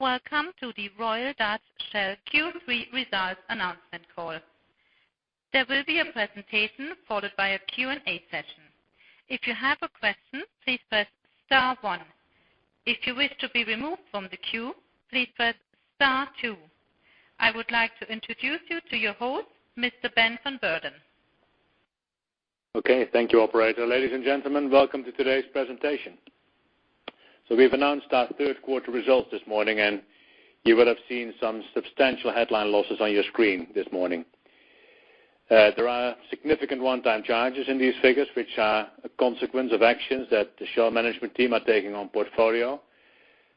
Welcome to the Royal Dutch Shell Q3 results announcement call. There will be a presentation followed by a Q&A session. If you have a question, please press star one. If you wish to be removed from the queue, please press star two. I would like to introduce you to your host, Mr. Ben van Beurden. Okay. Thank you, operator. Ladies and gentlemen, welcome to today's presentation. We've announced our third quarter results this morning, and you will have seen some substantial headline losses on your screen this morning. There are significant one-time charges in these figures, which are a consequence of actions that the Shell management team are taking on portfolio,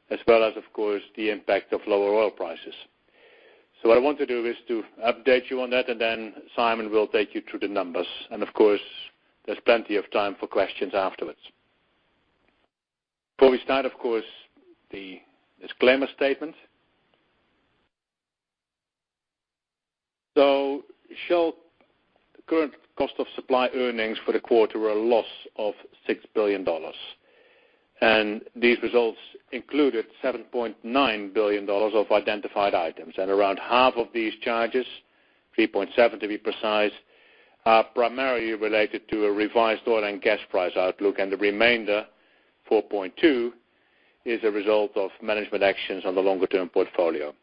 as well as, of course, the impact of lower oil prices. What I want to do is to update you on that, and then Simon will take you through the numbers. Of course, there's plenty of time for questions afterwards. Before we start, of course, the disclaimer statement. Shell current cost of supply earnings for the quarter were a loss of $6 billion. These results included $7.9 billion of identified items. Around half of these charges, 3.7 to be precise, are primarily related to a revised oil and gas price outlook, and the remainder, 4.2, is a result of management actions on the longer-term portfolio.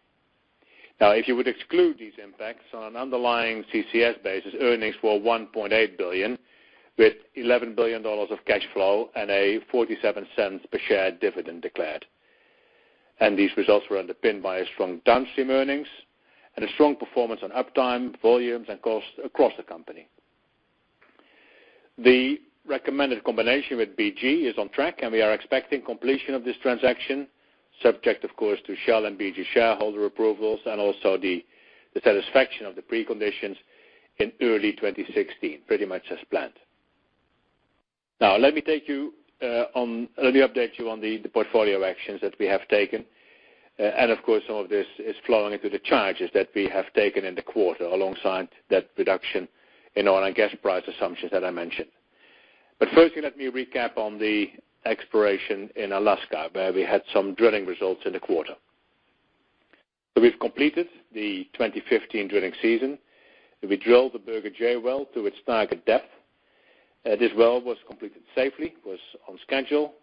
Now, if you would exclude these impacts on an underlying CCS basis, earnings were $1.8 billion, with $11 billion of cash flow and a $0.47 per share dividend declared. These results were underpinned by strong downstream earnings and a strong performance on uptime, volumes, and costs across the company. The recommended combination with BG is on track, and we are expecting completion of this transaction, subject, of course, to Shell and BG shareholder approvals and also the satisfaction of the preconditions in early 2016, pretty much as planned. Let me update you on the portfolio actions that we have taken. Of course, some of this is flowing into the charges that we have taken in the quarter alongside that reduction in oil and gas price assumptions that I mentioned. Firstly, let me recap on the exploration in Alaska, where we had some drilling results in the quarter. We've completed the 2015 drilling season, and we drilled the Burger J well to its target depth. This well was completed safely, was on schedule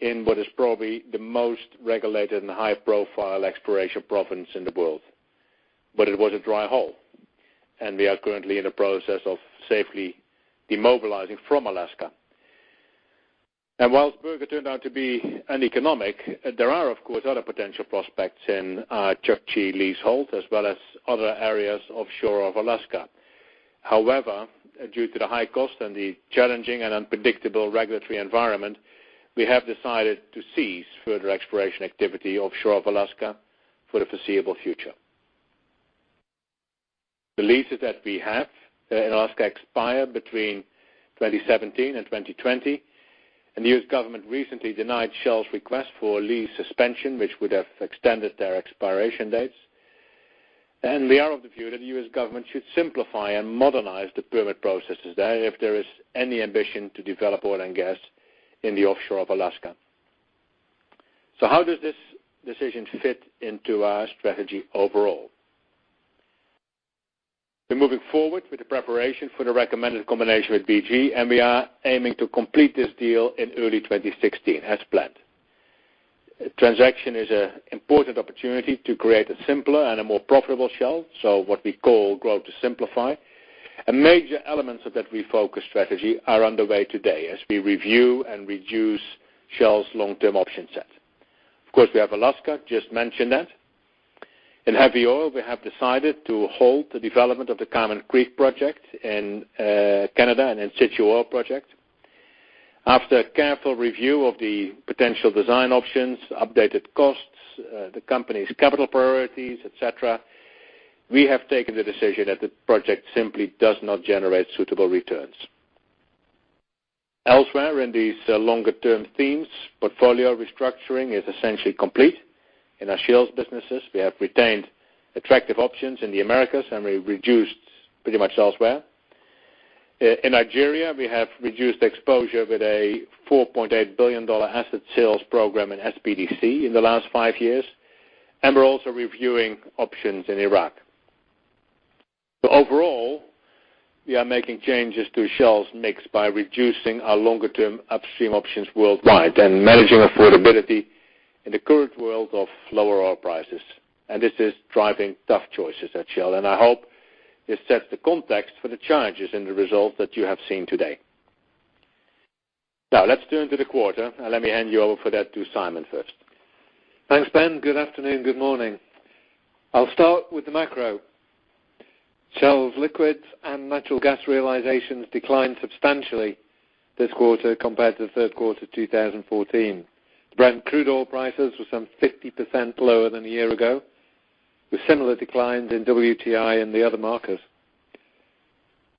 in what is probably the most regulated and high-profile exploration province in the world. It was a dry hole, and we are currently in the process of safely demobilizing from Alaska. Whilst Burger turned out to be uneconomic, there are, of course, other potential prospects in our Chukchi leasehold, as well as other areas offshore of Alaska. However, due to the high cost and the challenging and unpredictable regulatory environment, we have decided to cease further exploration activity offshore of Alaska for the foreseeable future. The leases that we have in Alaska expire between 2017 and 2020. The U.S. government recently denied Shell's request for a lease suspension, which would have extended their expiration dates. We are of the view that the U.S. government should simplify and modernize the permit processes there if there is any ambition to develop oil and gas in the offshore of Alaska. How does this decision fit into our strategy overall? We're moving forward with the preparation for the recommended combination with BG, and we are aiming to complete this deal in early 2016 as planned. Transaction is an important opportunity to create a simpler and a more profitable Shell, what we call grow to simplify. Major elements of that refocused strategy are underway today as we review and reduce Shell's long-term option set. Of course, we have Alaska, just mentioned that. In heavy oil, we have decided to halt the development of the Carmon Creek project in Canada, an in-situ oil project. After careful review of the potential design options, updated costs, the company's capital priorities, et cetera, we have taken the decision that the project simply does not generate suitable returns. Elsewhere in these longer-term themes, portfolio restructuring is essentially complete. In our sales businesses, we have retained attractive options in the Americas, and we reduced pretty much elsewhere. In Nigeria, we have reduced exposure with a $4.8 billion asset sales program in SPDC in the last five years, and we're also reviewing options in Iraq. Overall, we are making changes to Shell's mix by reducing our longer-term upstream options worldwide and managing affordability in the current world of lower oil prices. This is driving tough choices at Shell, and I hope this sets the context for the charges in the results that you have seen today. Now let's turn to the quarter. Let me hand you over for that to Simon first. Thanks, Ben. Good afternoon. Good morning. I'll start with the macro. Shell's liquids and natural gas realizations declined substantially this quarter compared to the third quarter 2014. Brent crude oil prices were some 50% lower than a year ago, with similar declines in WTI and the other markets.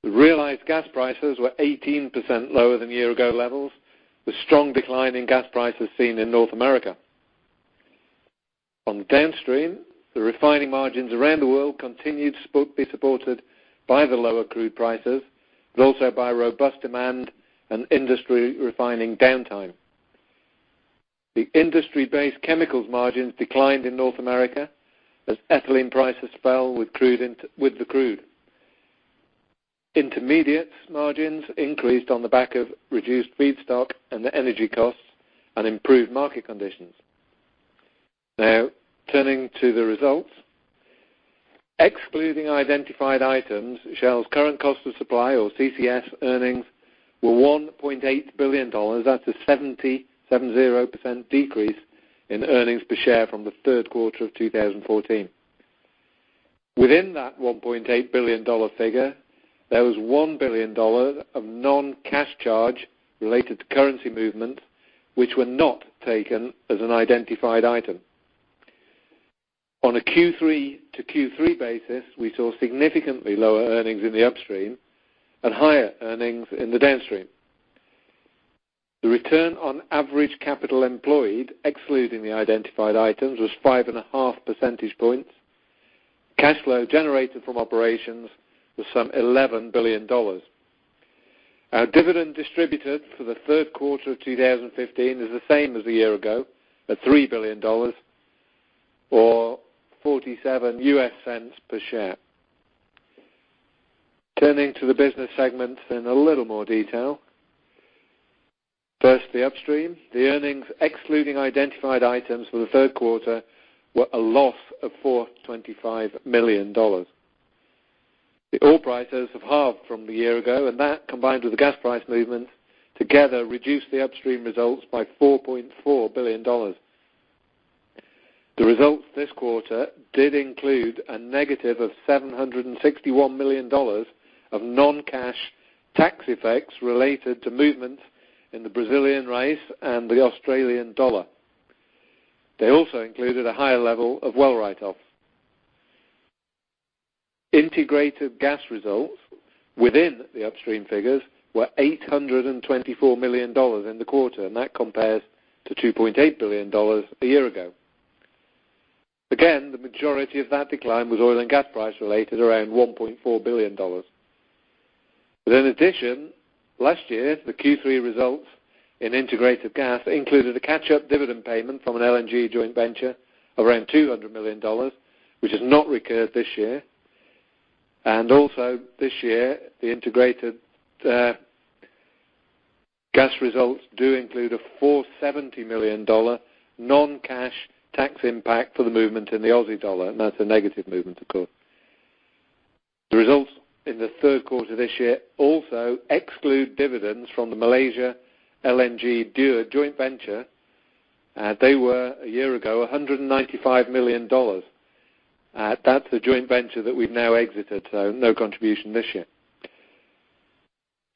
The realized gas prices were 18% lower than year ago levels, with strong decline in gas prices seen in North America. On downstream, the refining margins around the world continued to be supported by the lower crude prices, but also by robust demand and industry refining downtime. The industry-based chemicals margins declined in North America as ethylene prices fell with the crude. Intermediates margins increased on the back of reduced feedstock and energy costs and improved market conditions. Now, turning to the results. Excluding identified items, Shell's current cost of supply or CCS earnings were $1.8 billion. That's a 70% decrease in earnings per share from the third quarter of 2014. Within that $1.8 billion figure, there was $1 billion of non-cash charge related to currency movement, which were not taken as an identified item. On a Q3 to Q3 basis, we saw significantly lower earnings in the upstream and higher earnings in the downstream. The return on average capital employed, excluding the identified items, was 5.5 percentage points. Cash flow generated from operations was some $11 billion. Our dividend distributed for the third quarter of 2015 is the same as a year ago at $3 billion or $0.47 per share. Turning to the business segment in a little more detail. First, the upstream. The earnings excluding identified items for the third quarter were a loss of $425 million. That, combined with the gas price movements, together reduced the upstream results by $4.4 billion. The results this quarter did include a negative of $761 million of non-cash tax effects related to movements in the Brazilian reais and the Australian dollar. They also included a higher level of well write-offs. Integrated gas results within the upstream figures were $824 million in the quarter. That compares to $2.8 billion a year ago. Again, the majority of that decline was oil and gas price related, around $1.4 billion. In addition, last year, the Q3 results in integrated gas included a catch-up dividend payment from an LNG joint venture of around $200 million, which has not recurred this year. Also this year, the integrated gas results do include a $470 million non-cash tax impact for the movement in the Australian dollar, and that's a negative movement, of course. The results in the third quarter of this year also exclude dividends from the Malaysia LNG Dua joint venture. They were, a year ago, $195 million. That's the joint venture that we've now exited, so no contribution this year.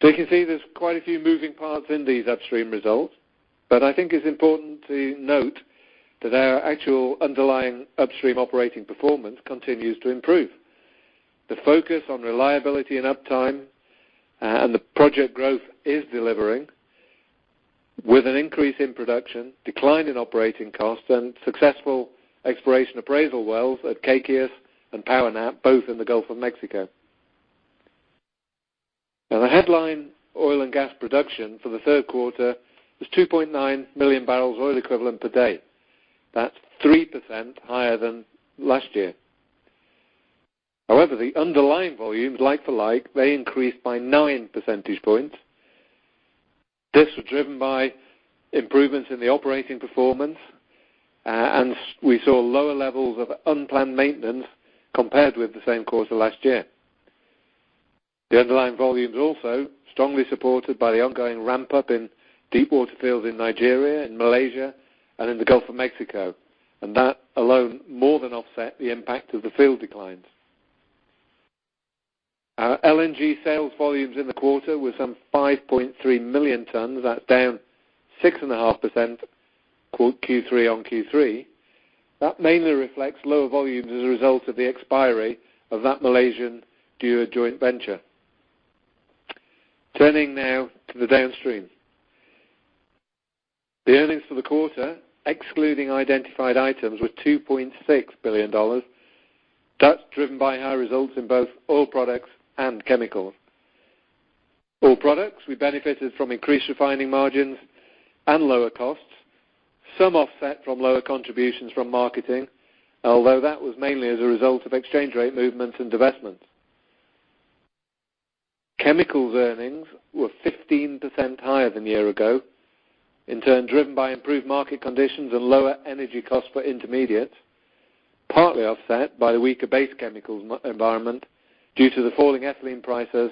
You can see there's quite a few moving parts in these upstream results, but I think it's important to note that our actual underlying upstream operating performance continues to improve. The focus on reliability and uptime and the project growth is delivering with an increase in production, decline in operating costs, and successful exploration appraisal wells at Kaikias and PowerNap, both in the Gulf of Mexico. The headline oil and gas production for the third quarter was 2.9 million barrels oil equivalent per day. That's 3% higher than last year. However, the underlying volumes, like for like, they increased by 9 percentage points. This was driven by improvements in the operating performance. We saw lower levels of unplanned maintenance compared with the same quarter last year. The underlying volumes also strongly supported by the ongoing ramp-up in deepwater fields in Nigeria and Malaysia and in the Gulf of Mexico. That alone more than offset the impact of the field declines. Our LNG sales volumes in the quarter were some 5.3 million tons. That's down 6.5% Q3 on Q3. That mainly reflects lower volumes as a result of the expiry of that Malaysian Dua joint venture. Turning now to the downstream. The earnings for the quarter, excluding identified items, were $2.6 billion. That's driven by high results in both oil products and chemicals. Oil products, we benefited from increased refining margins and lower costs, some offset from lower contributions from marketing, although that was mainly as a result of exchange rate movements and divestments. Chemicals earnings were 15% higher than a year ago, in turn driven by improved market conditions and lower energy costs for intermediates, partly offset by the weaker base chemicals environment due to the falling ethylene prices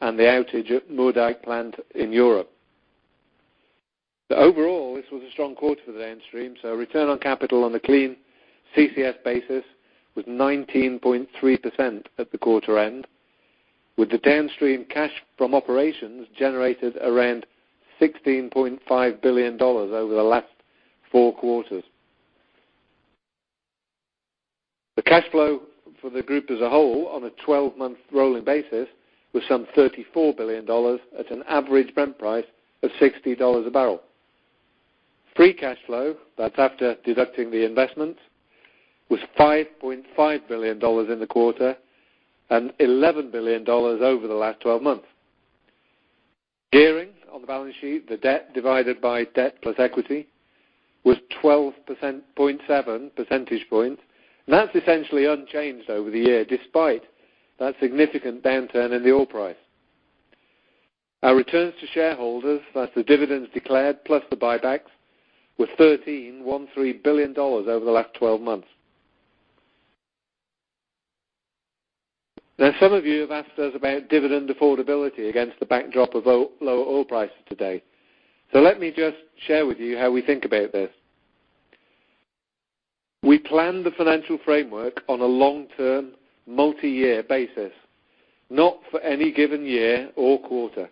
and the outage at Moerdijk plant in Europe. Overall, this was a strong quarter for the downstream. Return on capital on a clean CCS basis was 19.3% at the quarter end, with the downstream cash from operations generated around $16.5 billion over the last four quarters. The cash flow for the group as a whole on a 12-month rolling basis was some $34 billion at an average Brent price of $60 a barrel. Free cash flow, that's after deducting the investment, was $5.5 billion in the quarter and $11 billion over the last 12 months. Gearing on the balance sheet, the debt divided by debt plus equity, was 12.7 percentage points. That's essentially unchanged over the year, despite that significant downturn in the oil price. Our returns to shareholders, that's the dividends declared plus the buybacks, were $13 billion over the last 12 months. Now, some of you have asked us about dividend affordability against the backdrop of lower oil prices today. Let me just share with you how we think about this. We plan the financial framework on a long-term, multi-year basis, not for any given year or quarter.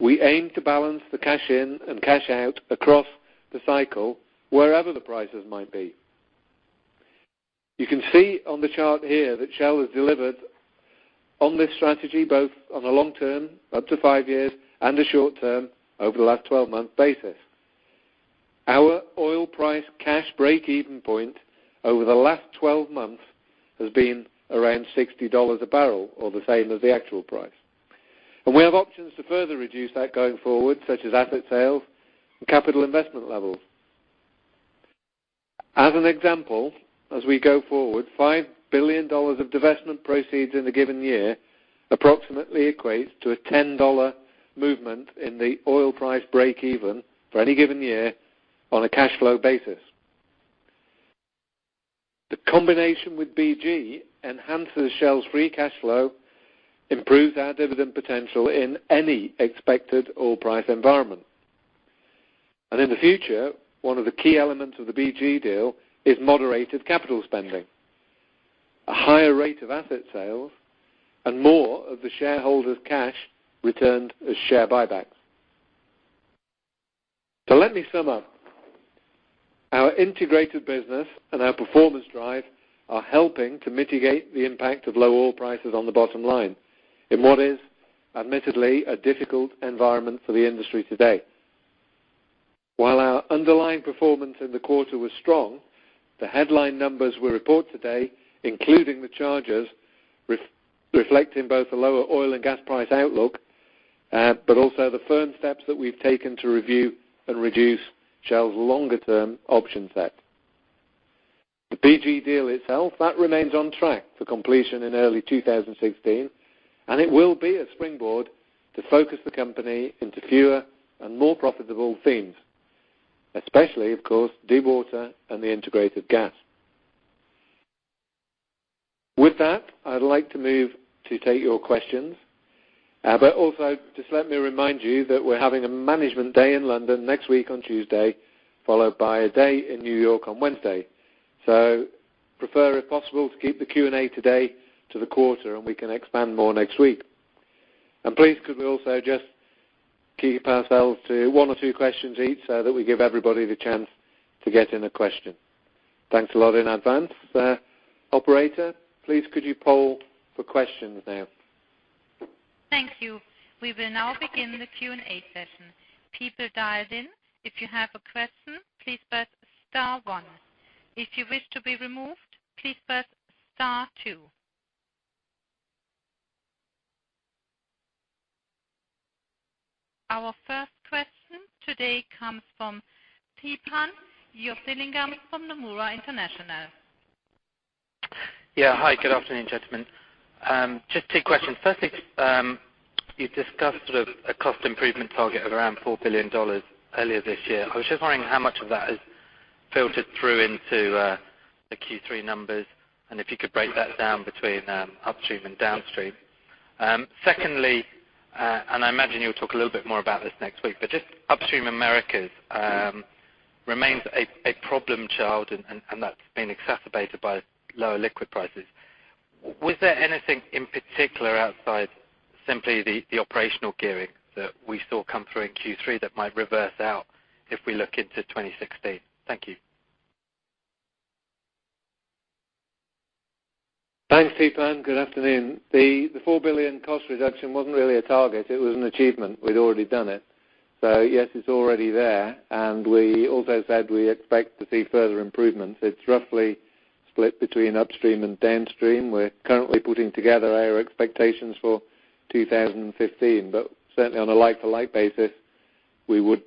We aim to balance the cash in and cash out across the cycle wherever the prices might be. You can see on the chart here that Shell has delivered on this strategy both on a long-term, up to five years, and a short-term, over the last 12-month basis. Our oil price cash breakeven point over the last 12 months has been around $60 a barrel or the same as the actual price. We have options to further reduce that going forward, such as asset sales and capital investment levels. As an example, as we go forward, $5 billion of divestment proceeds in a given year approximately equates to a $10 movement in the oil price breakeven for any given year on a cash flow basis. The combination with BG enhances Shell's free cash flow, improves our dividend potential in any expected oil price environment. In the future, one of the key elements of the BG deal is moderated capital spending, a higher rate of asset sales, and more of the shareholders' cash returned as share buybacks. Let me sum up. Our integrated business and our performance drive are helping to mitigate the impact of low oil prices on the bottom line in what is admittedly a difficult environment for the industry today. While our underlying performance in the quarter was strong, the headline numbers we report today, including the charges, reflect in both the lower oil and gas price outlook, but also the firm steps that we've taken to review and reduce Shell's longer-term option set. The BG deal itself, that remains on track for completion in early 2016. It will be a springboard to focus the company into fewer and more profitable themes, especially, of course, Deepwater and the integrated gas. With that, I'd like to move to take your questions. Also, just let me remind you that we're having a management day in London next week on Tuesday, followed by a day in New York on Wednesday. Prefer, if possible, to keep the Q&A today to the quarter, and we can expand more next week. Please, could we also just keep ourselves to one or two questions each so that we give everybody the chance to get in a question? Thanks a lot in advance. Operator, please could you poll for questions now? Thank you. We will now begin the Q&A session. People dialed in, if you have a question, please press star one. If you wish to be removed, please press star two. Our first question today comes from Theepan Jothilingam from Nomura International. Hi, good afternoon, gentlemen. Just two questions. Firstly, you discussed a cost improvement target of around $4 billion earlier this year. I was just wondering how much of that has filtered through into the Q3 numbers, and if you could break that down between Upstream and Downstream. Secondly, I imagine you'll talk a little bit more about this next week, but Upstream Americas remains a problem child, and that's been exacerbated by lower liquid prices. Was there anything in particular outside simply the operational gearing that we saw come through in Q3 that might reverse out if we look into 2016? Thank you. Thanks, Theepan. Good afternoon. The $4 billion cost reduction wasn't really a target, it was an achievement. We'd already done it. Yes, it's already there. We also said we expect to see further improvements. It's roughly split between Upstream and Downstream. We're currently putting together our expectations for 2015, but certainly on a like-to-like basis, we would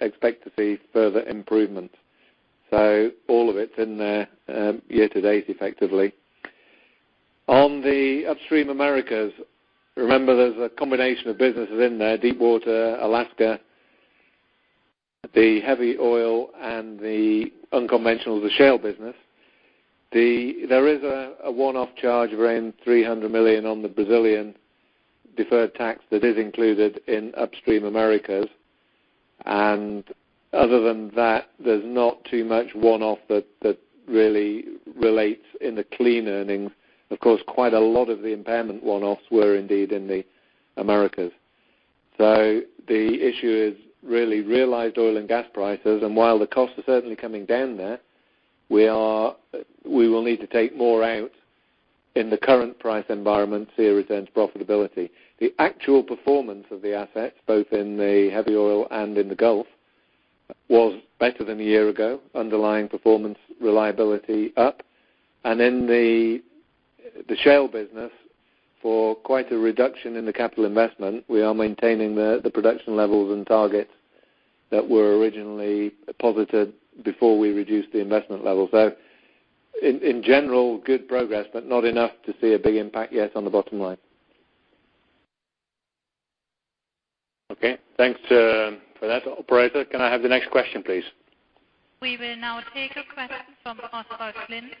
expect to see further improvement. All of it's in there year to date, effectively. On the Upstream Americas, remember there's a combination of businesses in there, Deepwater, Alaska, the heavy oil, and the unconventional, the shale business. There is a one-off charge around $300 million on the Brazilian deferred tax that is included in Upstream Americas. Other than that, there's not too much one-off that really relates in the clean earnings. Of course, quite a lot of the impairment one-offs were indeed in the Upstream Americas. The issue is really realized oil and gas prices, and while the costs are certainly coming down there, we will need to take more out in the current price environment to retain profitability. The actual performance of the assets, both in the heavy oil and in the Gulf, was better than a year ago, underlying performance reliability up. In the shale business, for quite a reduction in the capital investment, we are maintaining the production levels and targets that were originally posited before we reduced the investment levels. In general, good progress, but not enough to see a big impact yet on the bottom line. Okay, thanks for that. Operator, can I have the next question, please? We will now take a question from Oswald Clint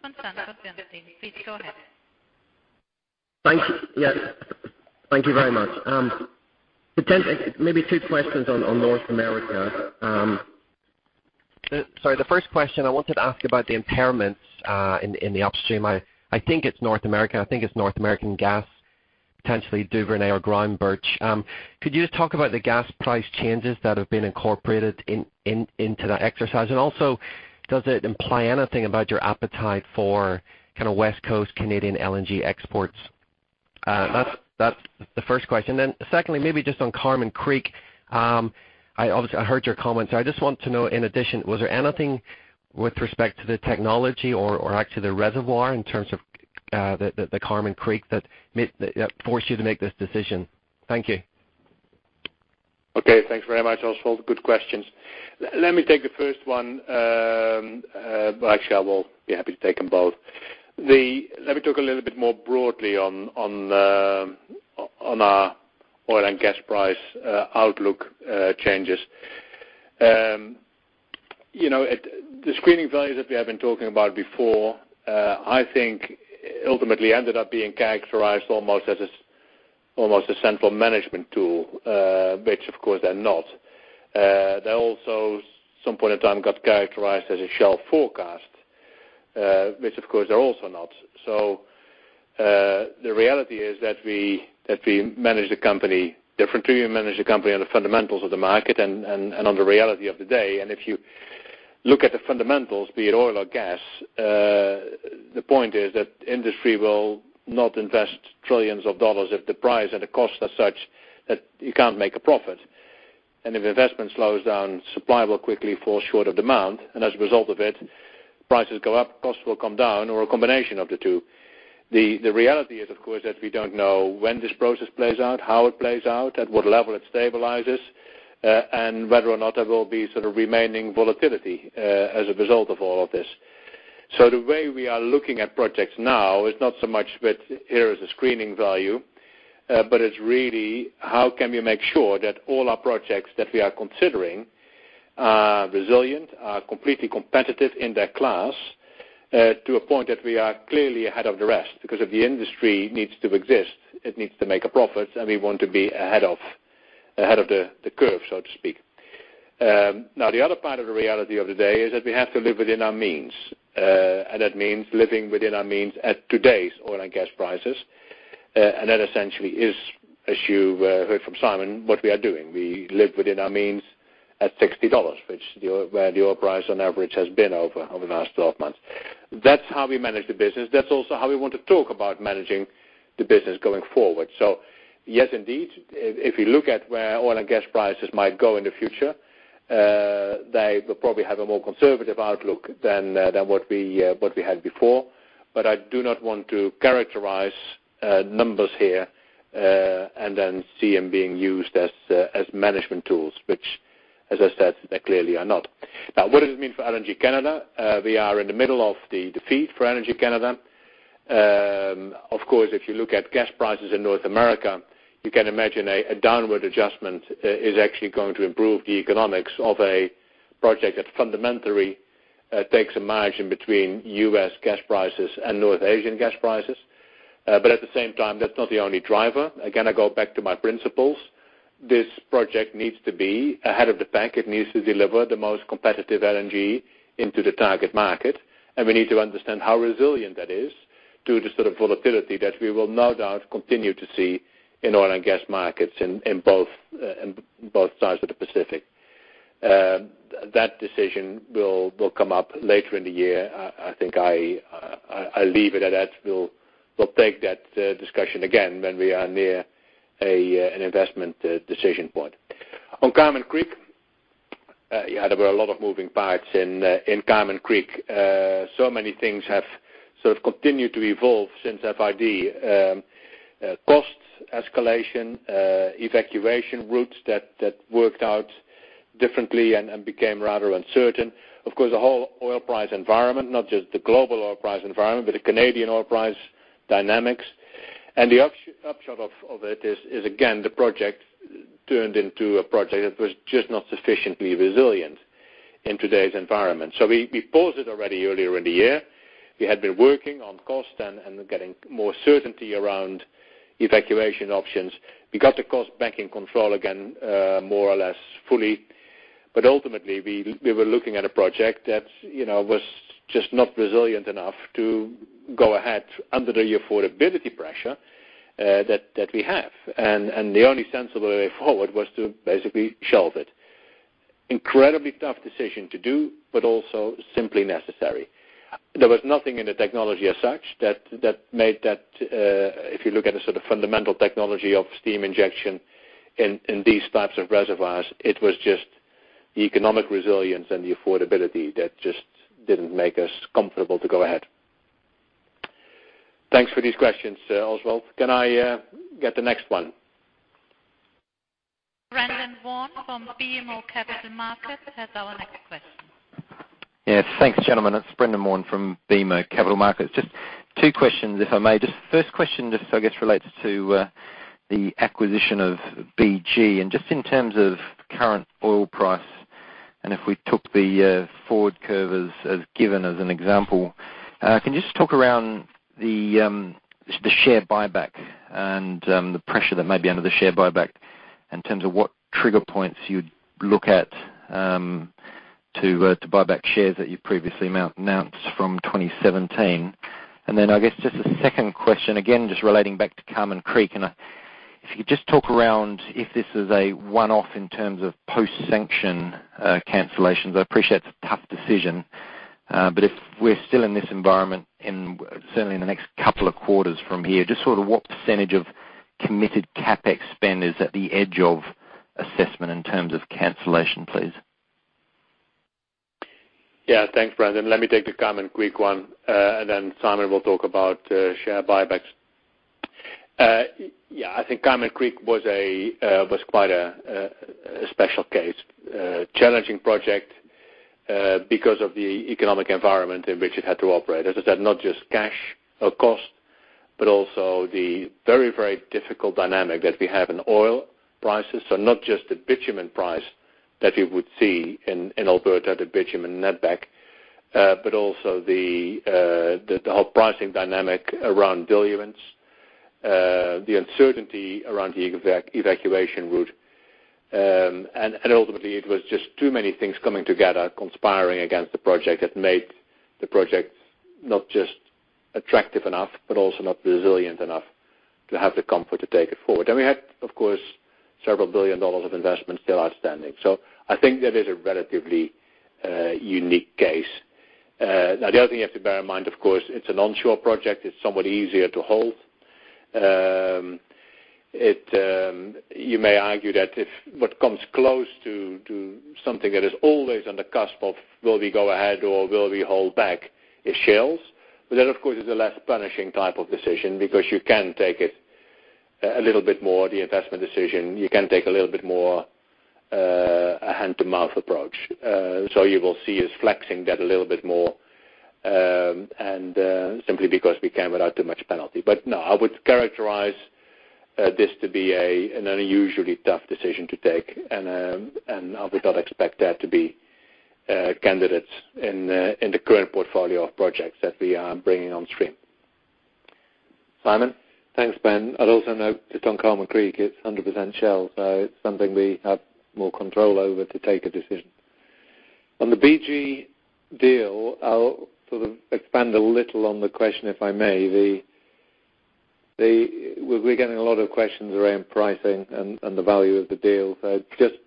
from Sanford C. Bernstein. Please go ahead. Thank you very much. Maybe two questions on North America. Sorry, the first question I wanted to ask about the impairments in the upstream. I think it's North American gas, potentially Duvernay or Groundbirch. Could you just talk about the gas price changes that have been incorporated into that exercise? Also, does it imply anything about your appetite for West Coast Canadian LNG exports? That's the first question. Secondly, maybe just on Carmon Creek. Obviously, I heard your comments. I just want to know, in addition, was there anything with respect to the technology or actually the reservoir in terms of the Carmon Creek that forced you to make this decision? Thank you. Okay, thanks very much, Oswald. Good questions. Let me take the first one. Actually, I will be happy to take them both. Let me talk a little bit more broadly on our oil and gas price outlook changes. The screening values that we have been talking about before, I think ultimately ended up being characterized almost as a central management tool, which, of course, they're not. They also, at some point in time, got characterized as a Shell forecast, which, of course, they're also not. The reality is that we manage the company differently. We manage the company on the fundamentals of the market and on the reality of the day. If you look at the fundamentals, be it oil or gas, the point is that industry will not invest $trillions if the price and the costs are such that you can't make a profit. If investment slows down, supply will quickly fall short of demand, and as a result of it, prices go up, costs will come down, or a combination of the two. The reality is, of course, that we don't know when this process plays out, how it plays out, at what level it stabilizes, and whether or not there will be remaining volatility as a result of all of this. The way we are looking at projects now is not so much with, "Here is a screening value," but it's really how can we make sure that all our projects that we are considering are resilient, are completely competitive in their class to a point that we are clearly ahead of the rest, because if the industry needs to exist, it needs to make a profit, and we want to be ahead of the curve, so to speak. The other part of the reality of the day is that we have to live within our means, and that means living within our means at today's oil and gas prices. That essentially is, as you heard from Simon, what we are doing. We live within our means at $60, where the oil price on average has been over the last 12 months. That's how we manage the business. That's also how we want to talk about managing the business going forward. Yes, indeed, if you look at where oil and gas prices might go in the future, they will probably have a more conservative outlook than what we had before. I do not want to characterize numbers here, and then see them being used as management tools, which, as I said, they clearly are not. What does it mean for LNG Canada? We are in the middle of the FEED for LNG Canada. Of course, if you look at gas prices in North America, you can imagine a downward adjustment is actually going to improve the economics of a project that fundamentally takes a margin between U.S. gas prices and North Asian gas prices. At the same time, that's not the only driver. Again, I go back to my principles. This project needs to be ahead of the pack. It needs to deliver the most competitive LNG into the target market, and we need to understand how resilient that is to the sort of volatility that we will no doubt continue to see in oil and gas markets in both sides of the Pacific. That decision will come up later in the year. I think I'll leave it at that. We'll take that discussion again when we are near an investment decision point. On Carmon Creek, there were a lot of moving parts in Carmon Creek. Many things have continued to evolve since FID. Cost escalation, evacuation routes that worked out differently and became rather uncertain. Of course, the whole oil price environment, not just the global oil price environment, but the Canadian oil price dynamics. The upshot of it is, again, the project turned into a project that was just not sufficiently resilient in today's environment. We paused it already earlier in the year. We had been working on cost and getting more certainty around evacuation options. We got the cost back in control again, more or less fully. Ultimately, we were looking at a project that was just not resilient enough to go ahead under the affordability pressure that we have. The only sensible way forward was to basically shelve it. Incredibly tough decision to do, but also simply necessary. There was nothing in the technology as such that made that, if you look at the fundamental technology of steam injection in these types of reservoirs, it was just the economic resilience and the affordability that just didn't make us comfortable to go ahead. Thanks for these questions, Oswald. Can I get the next one? Brendan Warn from BMO Capital Markets has our next question. Yes. Thanks, gentlemen. It's Brendan Warn from BMO Capital Markets. Just two questions, if I may. Just first question, just I guess relates to the acquisition of BG. Just in terms of current oil price, and if we took the forward curve as given as an example, can you just talk around the share buyback and the pressure that may be under the share buyback in terms of what trigger points you'd look at to buy back shares that you previously announced from 2017? Then, I guess just a second question, again, just relating back to Carmon Creek. If you could just talk around if this is a one-off in terms of post-sanction cancellations. I appreciate it's a tough decision, if we're still in this environment certainly in the next couple of quarters from here, just sort of what % of committed CapEx spend is at the edge of assessment in terms of cancellation, please? Thanks, Brendan. Let me take the Carmon Creek one, then Simon will talk about share buybacks. I think Carmon Creek was quite a special case. A challenging project because of the economic environment in which it had to operate. As I said, not just cash or cost, also the very, very difficult dynamic that we have in oil prices. Not just the bitumen price that you would see in Alberta, the bitumen netback, also the whole pricing dynamic around diluents, the uncertainty around the evacuation route. Ultimately it was just too many things coming together conspiring against the project that made the project not just attractive enough, also not resilient enough to have the comfort to take it forward. We had, of course, several billion dollars of investment still outstanding. I think that is a relatively unique case. The other thing you have to bear in mind, of course, it's an onshore project. It's somewhat easier to hold. You may argue that if what comes close to something that is always on the cusp of will we go ahead or will we hold back is Shell's. That, of course, is a less punishing type 2 of decision because you can take it a little bit more, the investment decision. You can take a little bit more a hand-to-mouth approach. You will see us flexing that a little bit more, simply because we can without too much penalty. No, I would characterize this to be an unusually tough decision to take, I would not expect there to be candidates in the current portfolio of projects that we are bringing on stream. Simon? Thanks, Ben. I'd also note, just on Carmon Creek, it's 100% Shell, so it's something we have more control over to take a decision. On the BG deal, I'll sort of expand a little on the question, if I may. We're getting a lot of questions around pricing and the value of the deal.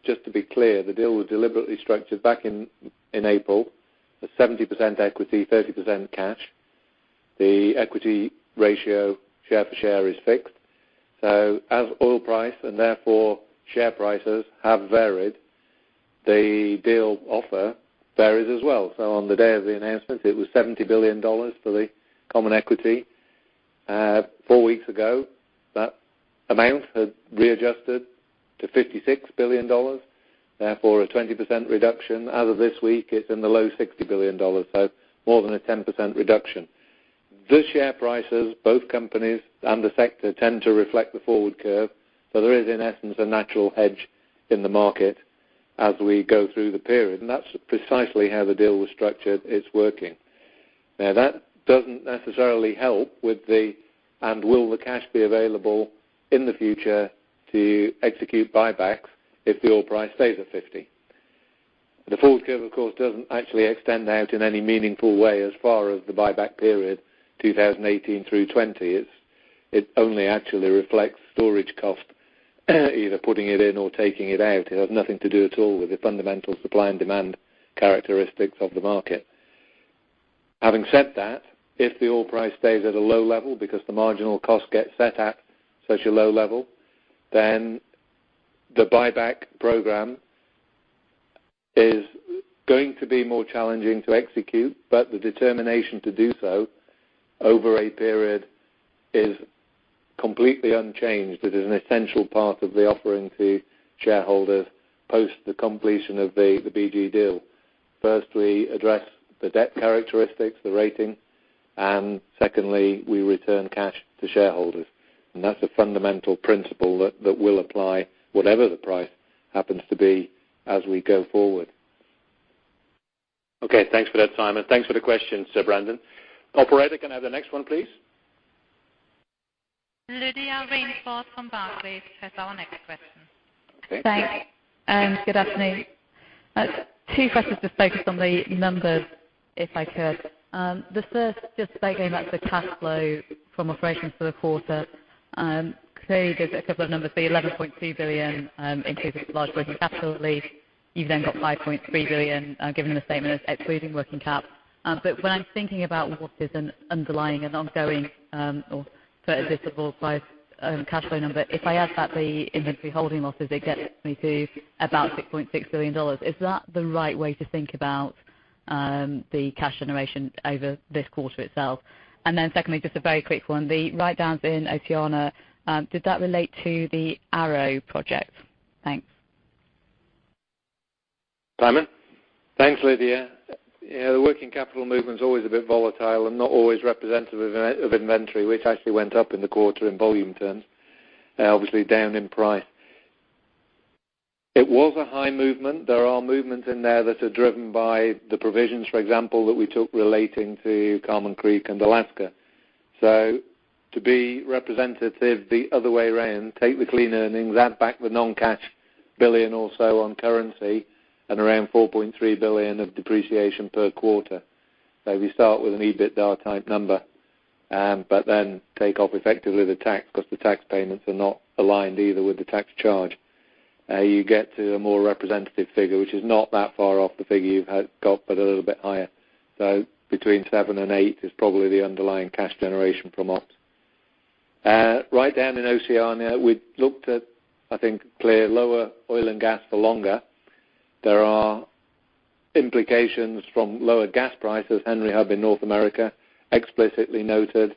Just to be clear, the deal was deliberately structured back in April as 70% equity, 30% cash. The equity ratio share for share is fixed. As oil price, therefore share prices have varied, the deal offer varies as well. On the day of the announcement, it was $70 billion for the common equity. Four weeks ago, that amount had readjusted to $56 billion, therefore a 20% reduction. As of this week, it's in the low $60 billion, so more than a 10% reduction. The share prices, both companies and the sector, tend to reflect the forward curve. There is, in essence, a natural hedge in the market as we go through the period, and that's precisely how the deal was structured. It's working. That doesn't necessarily help with the, and will the cash be available in the future to execute buybacks if the oil price stays at $50? The forward curve, of course, doesn't actually extend out in any meaningful way as far as the buyback period, 2018 through 2020. It only actually reflects storage cost, either putting it in or taking it out. It has nothing to do at all with the fundamental supply and demand characteristics of the market. Having said that, if the oil price stays at a low level because the marginal cost gets set at such a low level, the buyback program is going to be more challenging to execute. The determination to do so over a period is completely unchanged. It is an essential part of the offering to shareholders post the completion of the BG deal. Firstly, address the debt characteristics, the rating, and secondly, we return cash to shareholders. That's a fundamental principle that will apply whatever the price happens to be as we go forward. Thanks for that, Simon. Thanks for the question, Brendan. Operator, can I have the next one, please? Lydia Rainforth from Barclays has our next question. Thanks. Good afternoon. Two questions just focused on the numbers, if I could. The first, just going back to the cash flow from operations for the quarter. Clearly there are a couple of numbers, the $11.2 billion in case it's a large working capital leap. You've then got $5.3 billion given in the statement as excluding working cap. When I'm thinking about what is an underlying and ongoing or predictable cash flow number, if I add that, the inventory holding losses, it gets me to about $6.6 billion. Is that the right way to think about the cash generation over this quarter itself? Secondly, just a very quick one, the write-downs in Oceania. Did that relate to the Arrow project? Thanks. Simon? Thanks, Lydia. The working capital movement is always a bit volatile and not always representative of inventory, which actually went up in the quarter in volume terms, obviously down in price. It was a high movement. There are movements in there that are driven by the provisions, for example, that we took relating to Carmon Creek and Alaska. To be representative the other way around, take the clean earnings, add back the non-cash billion or so on currency at around $4.3 billion of depreciation per quarter. We start with an EBITDA type number, take off effectively the tax, because the tax payments are not aligned either with the tax charge. You get to a more representative figure, which is not that far off the figure you've got, but a little bit higher. Between 7 and 8 is probably the underlying cash generation from ops. Write-down in Oceania, we looked at, I think, clear lower oil and gas for longer. There are implications from lower gas prices. Henry Hub in North America explicitly noted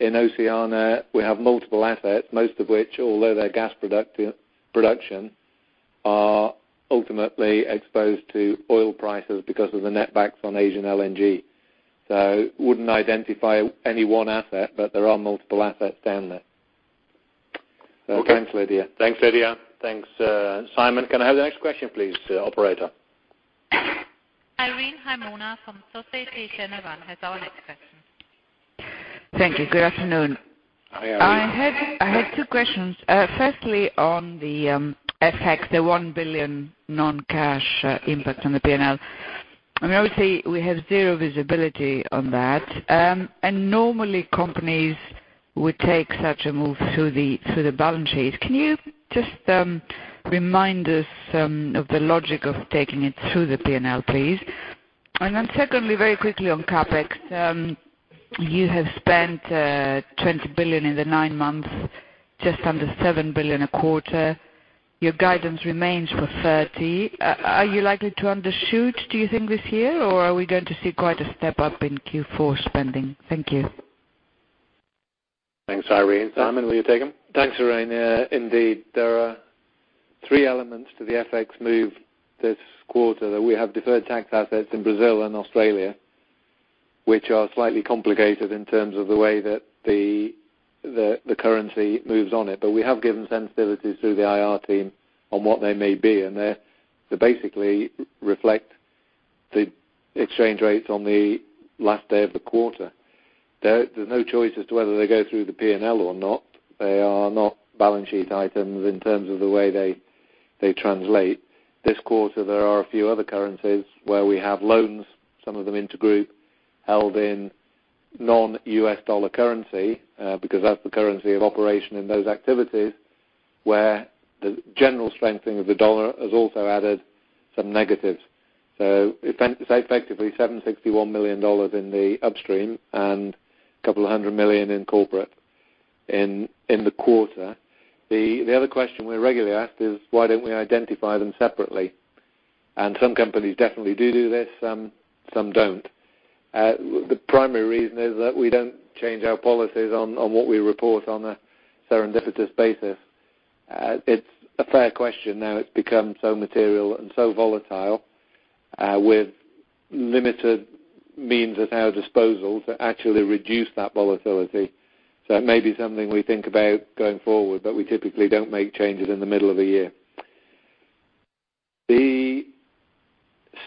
in Oceania, we have multiple assets, most of which, although they're gas production, are ultimately exposed to oil prices because of the netbacks on Asian LNG. Wouldn't identify any one asset, but there are multiple assets down there. Thanks, Lydia. Thanks, Lydia. Thanks, Simon. Can I have the next question please, operator? Irene Himona from Societe Generale has our next question. Thank you. Good afternoon. Hi, Irene. I have two questions. Firstly, on the FX, the $1 billion non-cash impact on the P&L. Obviously, we have zero visibility on that, and normally companies would take such a move through the balance sheet. Can you just remind us of the logic of taking it through the P&L, please? Secondly, very quickly on CapEx. You have spent $20 billion in the nine months, just under $7 billion a quarter. Your guidance remains for 30. Are you likely to undershoot, do you think, this year, or are we going to see quite a step-up in Q4 spending? Thank you. Thanks, Irene. Simon, will you take them? Thanks, Irene. Indeed, there are three elements to the FX move this quarter that we have deferred tax assets in Brazil and Australia, which are slightly complicated in terms of the way that the currency moves on it. We have given sensitivities through the IR team on what they may be, and they basically reflect the exchange rates on the last day of the quarter. There's no choice as to whether they go through the P&L or not. They are not balance sheet items in terms of the way they translate. This quarter, there are a few other currencies where we have loans, some of them intergroup, held in non-US dollar currency, because that's the currency of operation in those activities, where the general strengthening of the dollar has also added some negatives. Effectively, $761 million in the upstream and a couple of hundred million in corporate in the quarter. The other question we're regularly asked is why don't we identify them separately? Some companies definitely do this. Some don't. The primary reason is that we don't change our policies on what we report on a serendipitous basis. It's a fair question now it's become so material and so volatile, with limited means at our disposal to actually reduce that volatility. It may be something we think about going forward, but we typically don't make changes in the middle of a year. The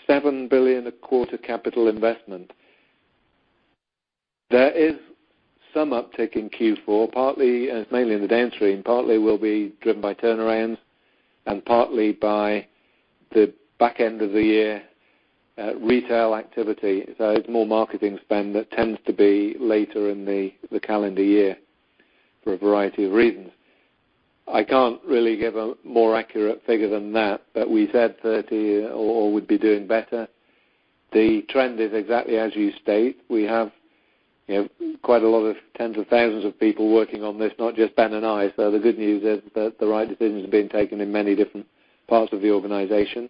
$7 billion a quarter capital investment, there is some uptick in Q4, mainly in the downstream. Partly will be driven by turnarounds and partly by the back end of the year retail activity. It's more marketing spend that tends to be later in the calendar year for a variety of reasons. I can't really give a more accurate figure than that. We said $30 or would be doing better. The trend is exactly as you state. We have quite a lot of tens of thousands of people working on this, not just Ben and I. The good news is that the right decisions are being taken in many different parts of the organization.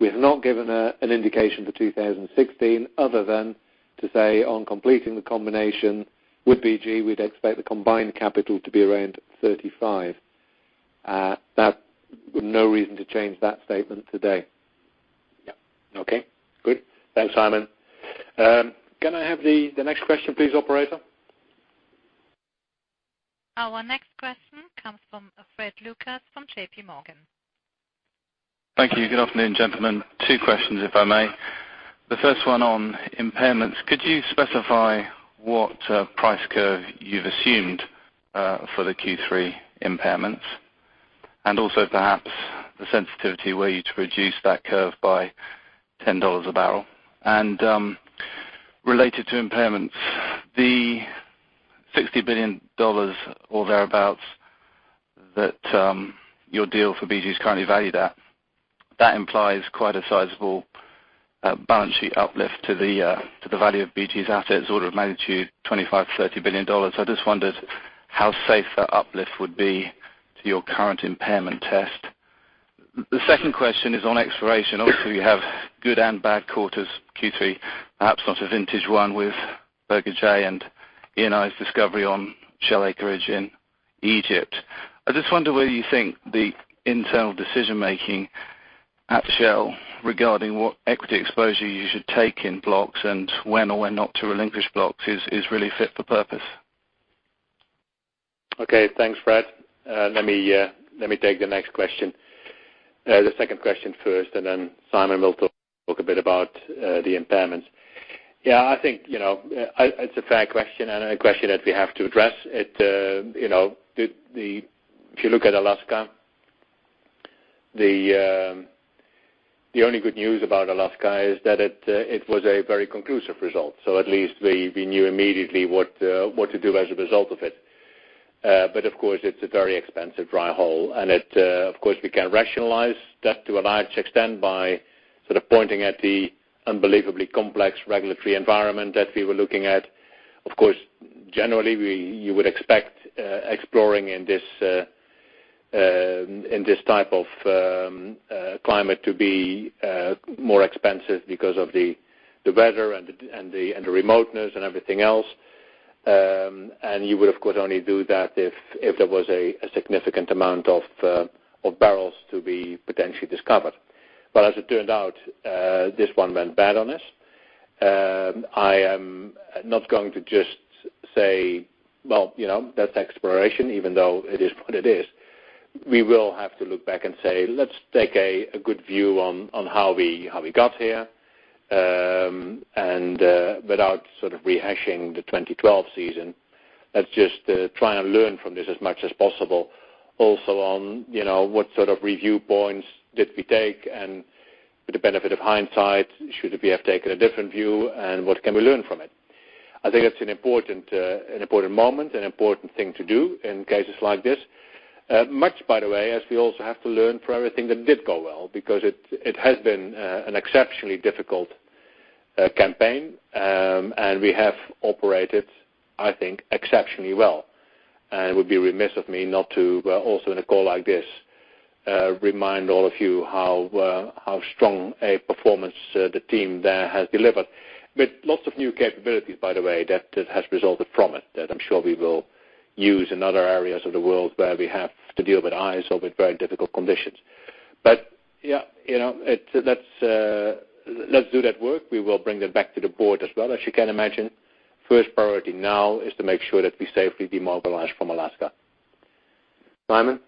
We've not given an indication for 2016 other than to say on completing the combination with BG, we'd expect the combined capital to be around $35. No reason to change that statement today. Yeah. Okay, good. Thanks, Simon. Can I have the next question please, operator? Our next question comes from Fred Lucas from JP Morgan. Thank you. Good afternoon, gentlemen. Two questions, if I may. The first one on impairments. Could you specify what price curve you've assumed for the Q3 impairments? Also perhaps the sensitivity were you to reduce that curve by $10 a barrel? Related to impairments, the $60 billion or thereabouts that your deal for BG is currently valued at, that implies quite a sizable balance sheet uplift to the value of BG's assets, order of magnitude $25 billion-$30 billion. I just wondered how safe that uplift would be to your current impairment test. The second question is on exploration. Obviously, you have good and bad quarters, Q3, perhaps not a vintage one with Burger J and Eni's discovery on Shell acreage in Egypt. I just wonder whether you think the internal decision making at Shell regarding what equity exposure you should take in blocks and when or when not to relinquish blocks is really fit for purpose. Okay, thanks, Fred. Let me take the next question, the second question first, then Simon will talk a bit about the impairments. Yeah, I think it's a fair question and a question that we have to address. If you look at Alaska, the only good news about Alaska is that it was a very conclusive result. At least we knew immediately what to do as a result of it. Of course, it's a very expensive dry hole. Of course, we can rationalize that to a large extent by sort of pointing at the unbelievably complex regulatory environment that we were looking at. Of course, generally, you would expect exploring in this type of climate to be more expensive because of the weather and the remoteness and everything else. You would, of course, only do that if there was a significant amount of barrels to be potentially discovered. As it turned out, this one went bad on us. I am not going to just say, "Well, that's exploration," even though it is what it is. We will have to look back and say, let's take a good view on how we got here. Without sort of rehashing the 2012 season, let's just try and learn from this as much as possible. Also on what sort of review points did we take, and with the benefit of hindsight, should we have taken a different view, and what can we learn from it? I think it's an important moment, an important thing to do in cases like this. Much, by the way, as we also have to learn from everything that did go well, because it has been an exceptionally difficult campaign, and we have operated, I think, exceptionally well. It would be remiss of me not to, also in a call like this, remind all of you how strong a performance the team there has delivered. With lots of new capabilities, by the way, that has resulted from it that I'm sure we will use in other areas of the world where we have to deal with ice or with very difficult conditions. Yeah, let's do that work. We will bring that back to the board as well. As you can imagine, first priority now is to make sure that we safely demobilize from Alaska. Simon?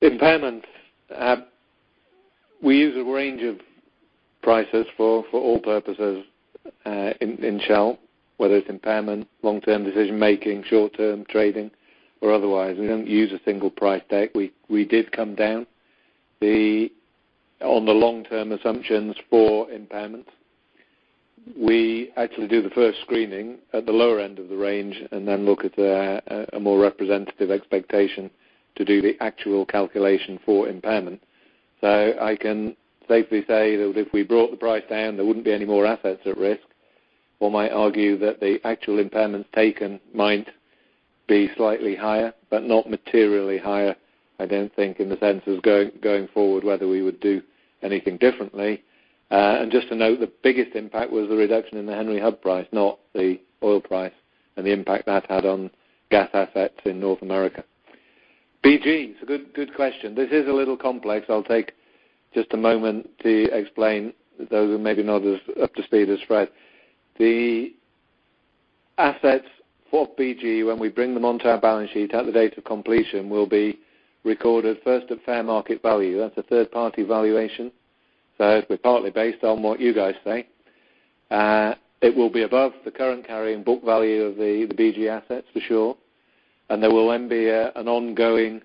Impairment. We use a range of prices for all purposes in Shell, whether it's impairment, long-term decision making, short-term trading, or otherwise. We don't use a single price tag. We did come down on the long-term assumptions for impairments. We actually do the first screening at the lower end of the range and then look at a more representative expectation to do the actual calculation for impairment. I can safely say that if we brought the price down, there wouldn't be any more assets at risk. One might argue that the actual impairments taken might be slightly higher, but not materially higher, I don't think, in the sense of going forward, whether we would do anything differently. Just to note, the biggest impact was the reduction in the Henry Hub price, not the oil price and the impact that had on gas assets in North America. BG, it's a good question. This is a little complex. I'll take just a moment to explain those who may be not as up to speed as Fred. The assets for BG, when we bring them onto our balance sheet at the date of completion, will be recorded first at fair market value. That's a third-party valuation. It'll be partly based on what you guys say. It will be above the current carrying book value of the BG assets, for sure. There will then be an ongoing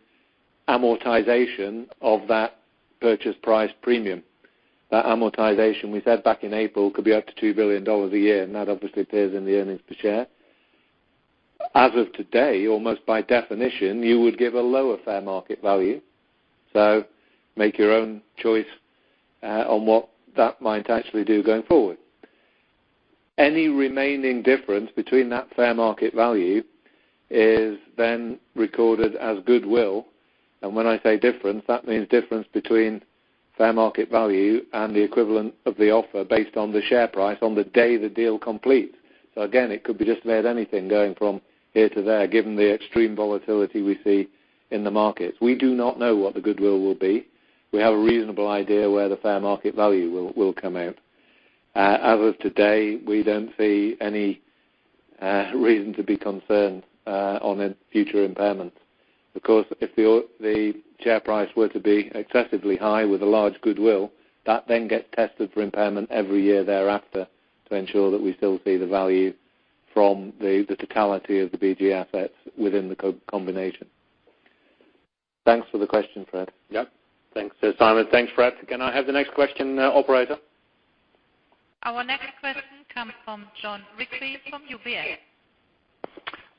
amortization of that purchase price premium. That amortization, we said back in April, could be up to $2 billion a year, and that obviously appears in the earnings per share. As of today, almost by definition, you would give a lower fair market value. Make your own choice on what that might actually do going forward. Any remaining difference between that fair market value is then recorded as goodwill. When I say difference, that means difference between fair market value and the equivalent of the offer based on the share price on the day the deal completes. Again, it could be just about anything going from here to there, given the extreme volatility we see in the markets. We do not know what the goodwill will be. We have a reasonable idea where the fair market value will come out. As of today, we don't see any reason to be concerned on future impairments. Of course, if the share price were to be excessively high with a large goodwill, that then gets tested for impairment every year thereafter to ensure that we still see the value from the totality of the BG assets within the combination. Thanks for the question, Fred. Yep. Thanks, Simon. Thanks, Fred. Can I have the next question, operator? Our next question comes from Jon Rigby from UBS.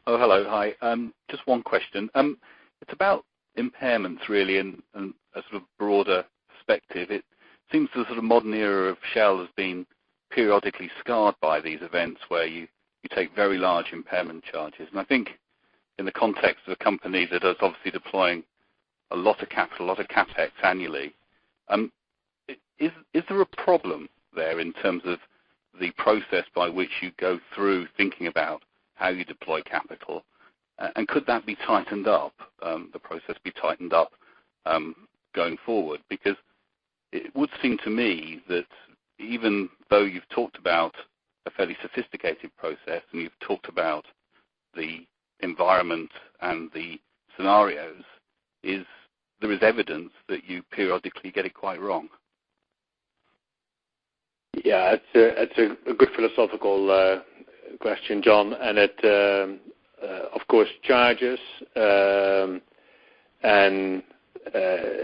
Oh, hello. Hi. Just one question. It's about impairments really and a sort of broader perspective. It seems the sort of modern era of Shell has been periodically scarred by these events where you take very large impairment charges. I think in the context of a company that is obviously deploying a lot of capital, a lot of CapEx annually, is there a problem there in terms of the process by which you go through thinking about how you deploy capital? Could that be tightened up, the process be tightened up, going forward? It would seem to me that even though you've talked about a fairly sophisticated process and you've talked about the environment and the scenarios, there is evidence that you periodically get it quite wrong. Yeah, it's a good philosophical question, Jon, and it, of course, charges.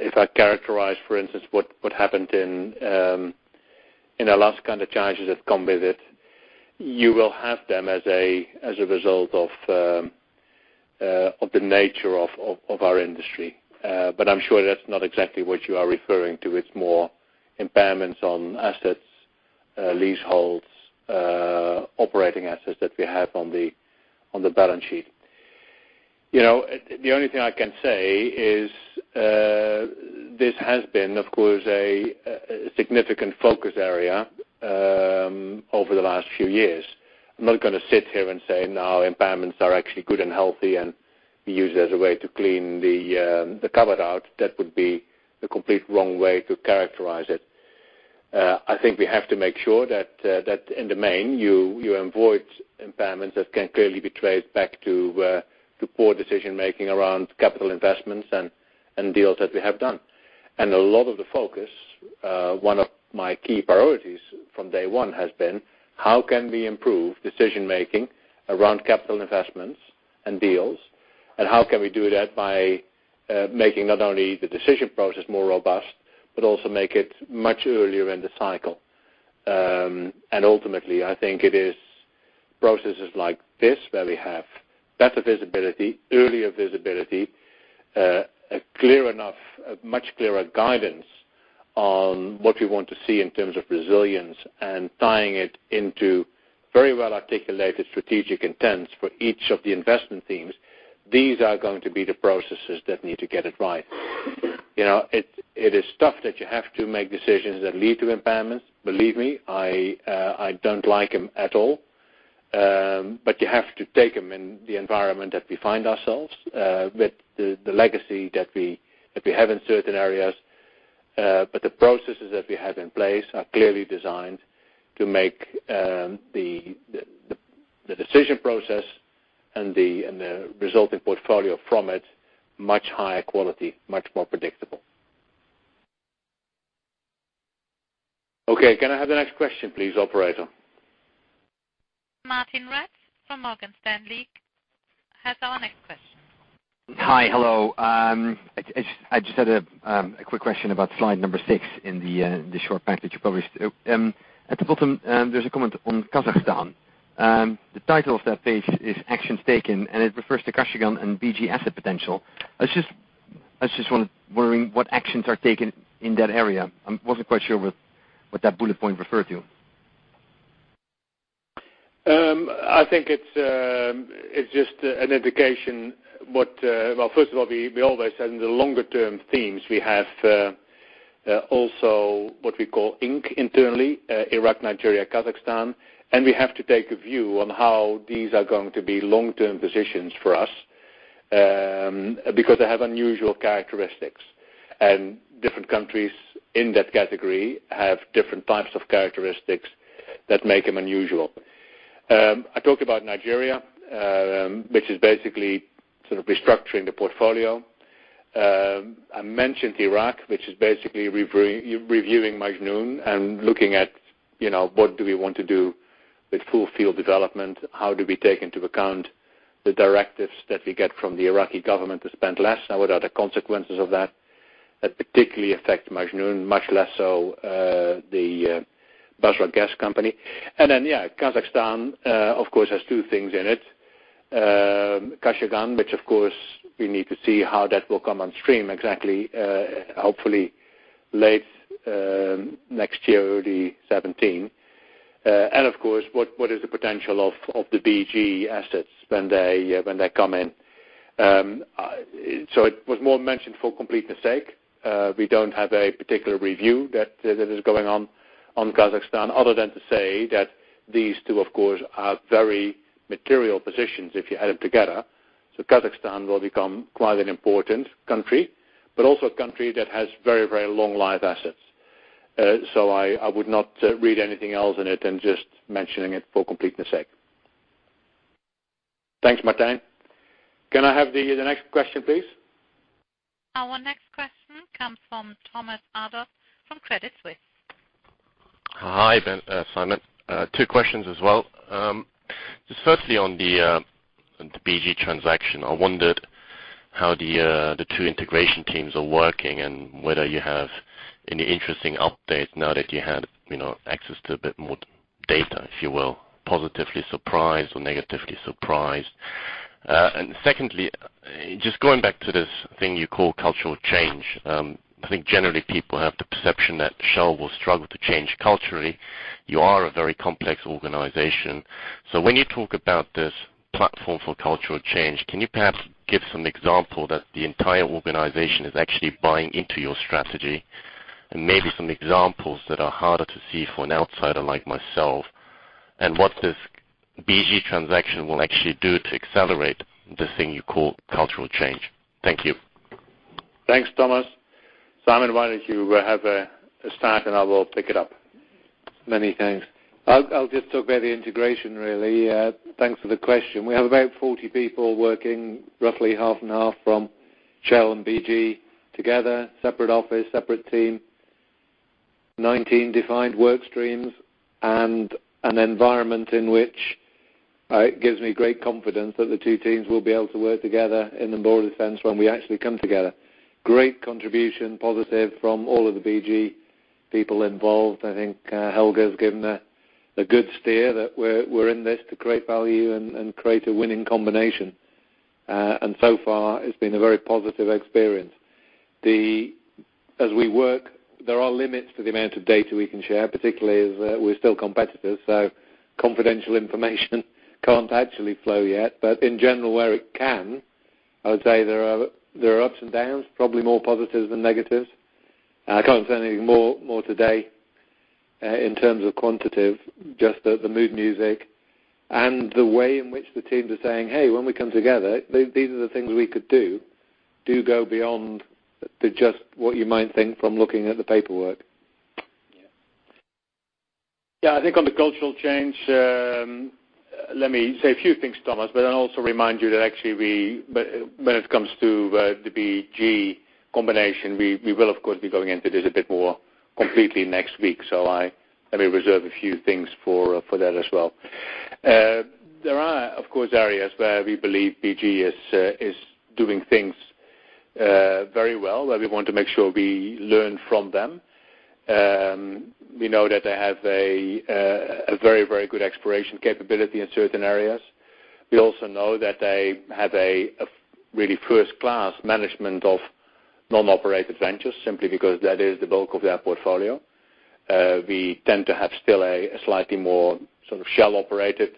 If I characterize, for instance, what happened in our last kind of charges that come with it, you will have them as a result of the nature of our industry. I'm sure that's not exactly what you are referring to. It's more impairments on assets, leaseholds, operating assets that we have on the balance sheet. The only thing I can say is this has been, of course, a significant focus area over the last few years. I'm not going to sit here and say now impairments are actually good and healthy, and we use it as a way to clean the cupboard out. That would be the complete wrong way to characterize it. I think we have to make sure that in the main, you avoid impairments that can clearly be traced back to poor decision making around capital investments and deals that we have done. A lot of the focus, one of my key priorities from day one has been how can we improve decision making around capital investments and deals, and how can we do that by making not only the decision process more robust, but also make it much earlier in the cycle. Ultimately, I think it is processes like this where we have better visibility, earlier visibility, a much clearer guidance on what we want to see in terms of resilience and tying it into very well articulated strategic intents for each of the investment themes. These are going to be the processes that need to get it right. It is tough that you have to make decisions that lead to impairments. Believe me, I don't like them at all. You have to take them in the environment that we find ourselves, with the legacy that we have in certain areas. The processes that we have in place are clearly designed to make the decision process and the resulting portfolio from it much higher quality, much more predictable. Okay, can I have the next question please, operator? Martijn Rats from Morgan Stanley has our next question. Hi, hello. I just had a quick question about slide number six in the short package you published. At the bottom, there's a comment on Kazakhstan. The title of that page is Actions Taken, and it refers to Kashagan and BG asset potential. I was just wondering what actions are taken in that area. I wasn't quite sure what that bullet point referred to. I think it's just an indication. Well, first of all, we always said in the longer term themes, we have also what we call INK internally, Iraq, Nigeria, Kazakhstan, and we have to take a view on how these are going to be long-term positions for us, because they have unusual characteristics, and different countries in that category have different types of characteristics that make them unusual. I talked about Nigeria, which is basically sort of restructuring the portfolio. I mentioned Iraq, which is basically reviewing Majnoon and looking at what do we want to do with full field development, how do we take into account the directives that we get from the Iraqi government to spend less now, what are the consequences of that. That particularly affect Majnoon, much less so the Basra Gas Company. Yeah, Kazakhstan, of course, has two things in it. Kashagan, which of course we need to see how that will come on stream exactly, hopefully late next year, early 2017. Of course, what is the potential of the BG assets when they come in. It was more mentioned for completeness sake. We don't have a particular review that is going on Kazakhstan other than to say that these two, of course, are very material positions if you add them together. Kazakhstan will become quite an important country, but also a country that has very, very long life assets. I would not read anything else in it and just mentioning it for completeness sake. Thanks, Martijn. Can I have the next question, please? Our next question comes from Thomas Adolff from Credit Suisse. Hi, Simon. Two questions as well. Just firstly on the BG transaction, I wondered how the two integration teams are working and whether you have any interesting updates now that you had access to a bit more data, if you will, positively surprised or negatively surprised? Secondly, just going back to this thing you call cultural change. I think generally people have the perception that Shell will struggle to change culturally. You are a very complex organization. When you talk about this platform for cultural change, can you perhaps give some example that the entire organization is actually buying into your strategy and maybe some examples that are harder to see for an outsider like myself? What this BG transaction will actually do to accelerate this thing you call cultural change. Thank you. Thanks, Thomas. Simon, why don't you have a start and I will pick it up? Many thanks. I'll just talk about the integration, really. Thanks for the question. We have about 40 people working roughly half and half from Shell and BG together, separate office, separate team, 19 defined work streams, and an environment in which it gives me great confidence that the two teams will be able to work together in the broader sense when we actually come together. Great contribution, positive from all of the BG people involved. I think Helge has given a good steer that we're in this to create value and create a winning combination. So far it's been a very positive experience. As we work, there are limits to the amount of data we can share, particularly as we're still competitors, so confidential information can't actually flow yet. In general, where it can, I would say there are ups and downs, probably more positives than negatives. I can't say anything more today in terms of quantitative, just the mood music and the way in which the teams are saying, "Hey, when we come together, these are the things we could do go beyond just what you might think from looking at the paperwork. Yeah. I think on the cultural change, let me say a few things, Thomas, also remind you that actually when it comes to the BG combination, we will of course be going into this a bit more completely next week. Let me reserve a few things for that as well. There are, of course, areas where we believe BG is doing things very well, where we want to make sure we learn from them. We know that they have a very good exploration capability in certain areas. We also know that they have a really first-class management of non-operated ventures simply because that is the bulk of their portfolio. We tend to have still a slightly more sort of Shell operated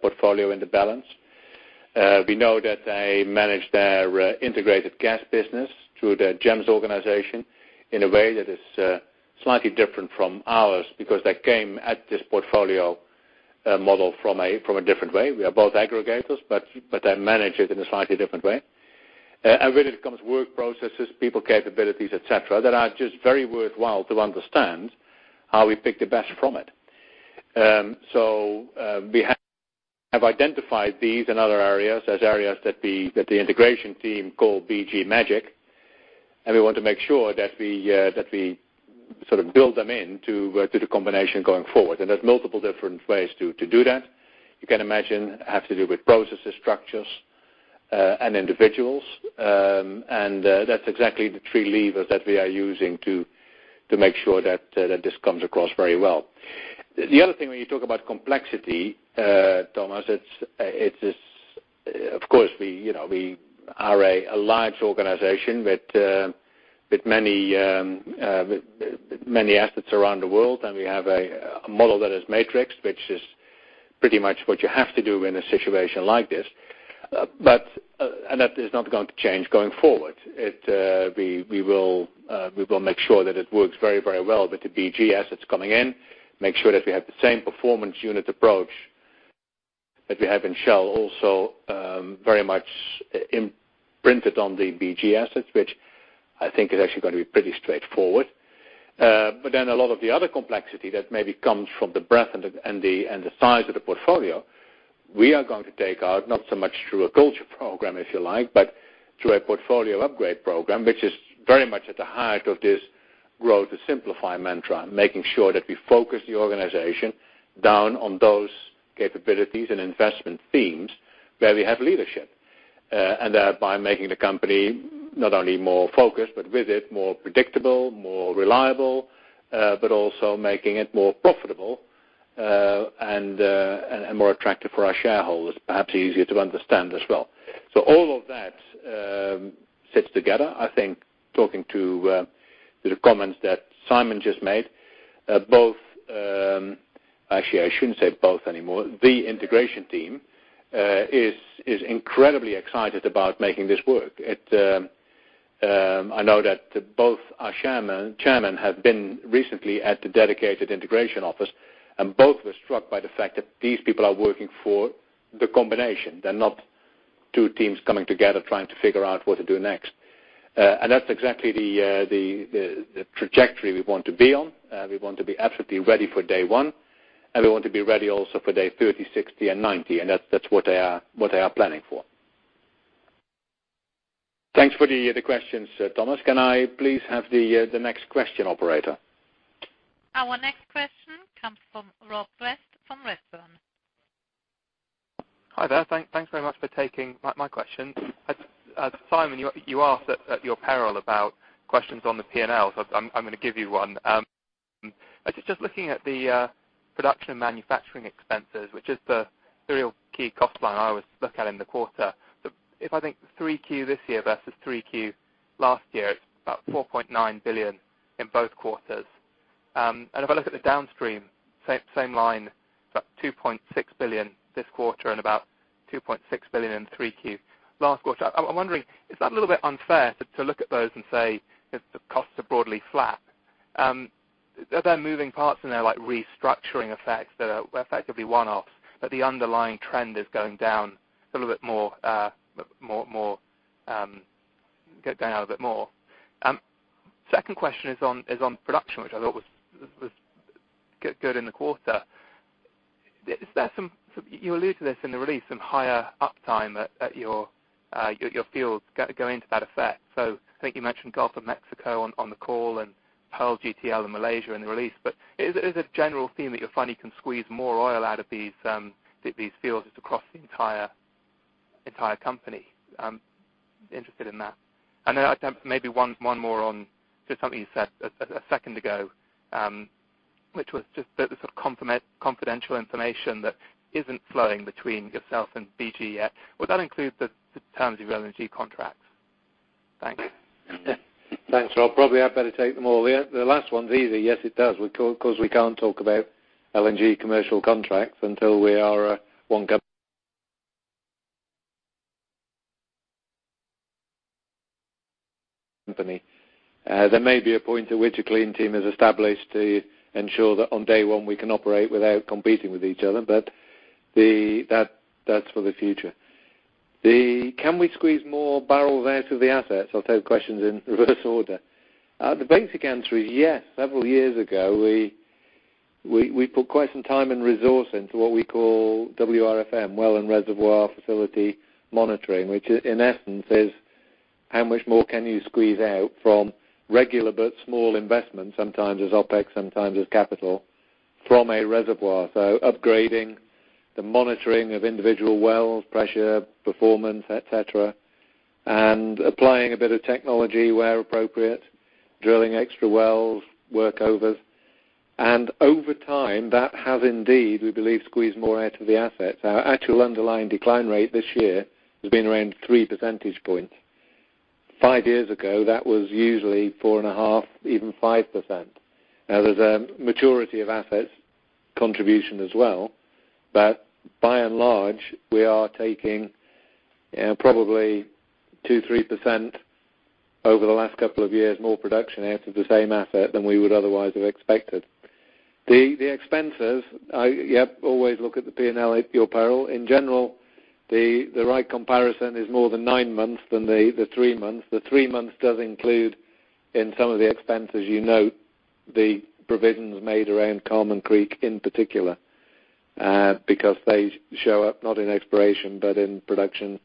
portfolio in the balance. We know that they manage their integrated gas business through their GEMS organization in a way that is slightly different from ours because they came at this portfolio model from a different way. We are both aggregators, they manage it in a slightly different way. When it comes to work processes, people capabilities, et cetera, that are just very worthwhile to understand how we pick the best from it. We have identified these and other areas as areas that the integration team call BG's magic, and we want to make sure that we sort of build them in to the combination going forward. There's multiple different ways to do that. You can imagine have to do with processes, structures, and individuals. That's exactly the three levers that we are using to make sure that this comes across very well. The other thing, when you talk about complexity, Thomas, of course, we are a large organization with many assets around the world, we have a model that is matrixed, which is pretty much what you have to do in a situation like this. That is not going to change going forward. We will make sure that it works very well with the BG assets coming in, make sure that we have the same performance unit approach that we have in Shell also very much imprinted on the BG assets, which I think is actually going to be pretty straightforward. A lot of the other complexity that maybe comes from the breadth and the size of the portfolio, we are going to take out, not so much through a culture program, if you like, but through a portfolio upgrade program, which is very much at the heart of this grow to simplify mantra, making sure that we focus the organization down on those capabilities and investment themes where we have leadership. Thereby making the company not only more focused, but with it more predictable, more reliable, but also making it more profitable, and more attractive for our shareholders, perhaps easier to understand as well. All of that sits together. I think talking to the comments that Simon just made, both, actually, I shouldn't say both anymore. The integration team is incredibly excited about making this work. I know that both our chairman have been recently at the dedicated integration office, both were struck by the fact that these people are working for the combination. They're not Two teams coming together trying to figure out what to do next. That's exactly the trajectory we want to be on. We want to be absolutely ready for day one, we want to be ready also for day 30, 60, and 90. That's what they are planning for. Thanks for the questions, Thomas. Can I please have the next question, operator? Our next question comes from Rob West from Redburn. Hi there. Thanks very much for taking my question. Simon, you asked at your peril about questions on the P&L, I'm going to give you one. I was just looking at the production and manufacturing expenses, which is the real key cost line I always look at in the quarter. If I think 3Q this year versus 3Q last year, it's about $4.9 billion in both quarters. If I look at the downstream, same line, it's about $2.6 billion this quarter and about $2.6 billion in 3Q last quarter. I'm wondering, is that a little bit unfair to look at those and say the costs are broadly flat? Are there moving parts in there, like restructuring effects that are effectively one-offs, but the underlying trend is going down a bit more. Second question is on production, which I thought was good in the quarter. You allude to this in the release, some higher uptime at your fields going into that effect. I think you mentioned Gulf of Mexico on the call and Pearl GTL in Malaysia in the release. Is it a general theme that you're finding you can squeeze more oil out of these fields across the entire company? I'm interested in that. I have maybe one more on just something you said a second ago, which was just the sort of confidential information that isn't flowing between yourself and BG yet. Would that include the terms of your LNG contracts? Thanks. Thanks, Rob. Probably I better take them all. The last one's easy. Yes, it does, because we can't talk about LNG commercial contracts until we are one company. There may be a point at which a clean team is established to ensure that on day one we can operate without competing with each other, that's for the future. Can we squeeze more barrels out of the assets? I'll take questions in reverse order. The basic answer is yes. Several years ago, we put quite some time and resource into what we call WRFM, Well and Reservoir Facility Monitoring, which in essence is how much more can you squeeze out from regular but small investments, sometimes as OPEX, sometimes as capital, from a reservoir. Upgrading the monitoring of individual wells, pressure, performance, et cetera, and applying a bit of technology where appropriate, drilling extra wells, workovers. Over time, that has indeed, we believe, squeezed more out of the assets. Our actual underlying decline rate this year has been around 3 percentage points. Five years ago, that was usually 4.5%, even 5%. Now there's a maturity of assets contribution as well. By and large, we are taking probably 2%, 3% over the last couple of years, more production out of the same asset than we would otherwise have expected. The expenses, yep, always look at the P&L at your peril. In general, the right comparison is more the nine months than the three months. The three months does include, in some of the expenses you note, the provisions made around Carmon Creek in particular, because they show up not in exploration, but in production,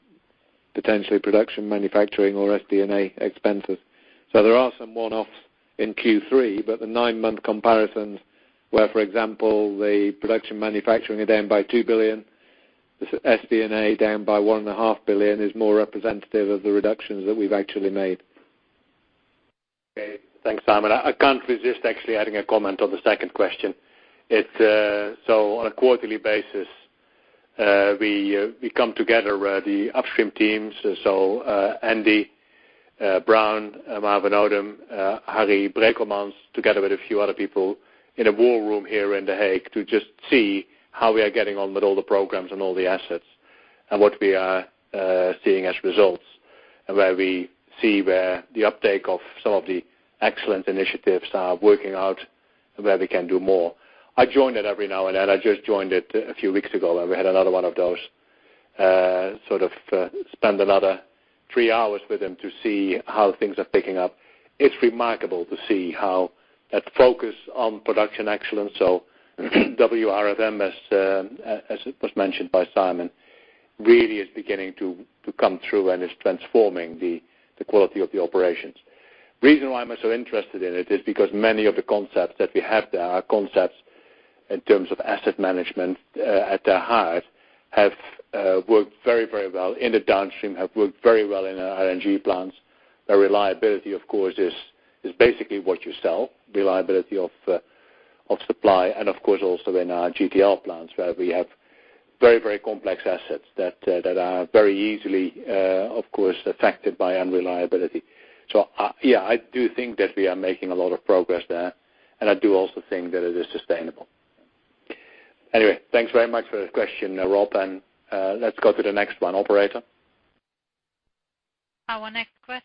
potentially production manufacturing or SG&A expenses. There are some one-offs in Q3, the nine-month comparisons where, for example, the production manufacturing are down by $2 billion, SG&A down by $1.5 billion, is more representative of the reductions that we've actually made. Okay. Thanks, Simon. I can't resist actually adding a comment on the second question. On a quarterly basis, we come together, the Upstream teams, Andy Brown, Marvin Odum, Harry Brekelmans, together with a few other people in a war room here in The Hague to just see how we are getting on with all the programs and all the assets and what we are seeing as results, and where we see where the uptake of some of the excellent initiatives are working out and where we can do more. I join it every now and then. I just joined it a few weeks ago, and we had another one of those sort of spend another three hours with them to see how things are picking up. It's remarkable to see how that focus on production excellence, WRFM, as it was mentioned by Simon, really is beginning to come through and is transforming the quality of the operations. Reason why I'm so interested in it is because many of the concepts that we have there are concepts in terms of asset management at their heart have worked very, very well in the Downstream, have worked very well in our LNG plants. Their reliability, of course, is basically what you sell, reliability of supply, and of course also in our GTL plants, where we have very, very complex assets that are very easily, of course, affected by unreliability. Yeah, I do think that we are making a lot of progress there, and I do also think that it is sustainable. Anyway, thanks very much for the question, Rob, let's go to the next one, operator. Our next question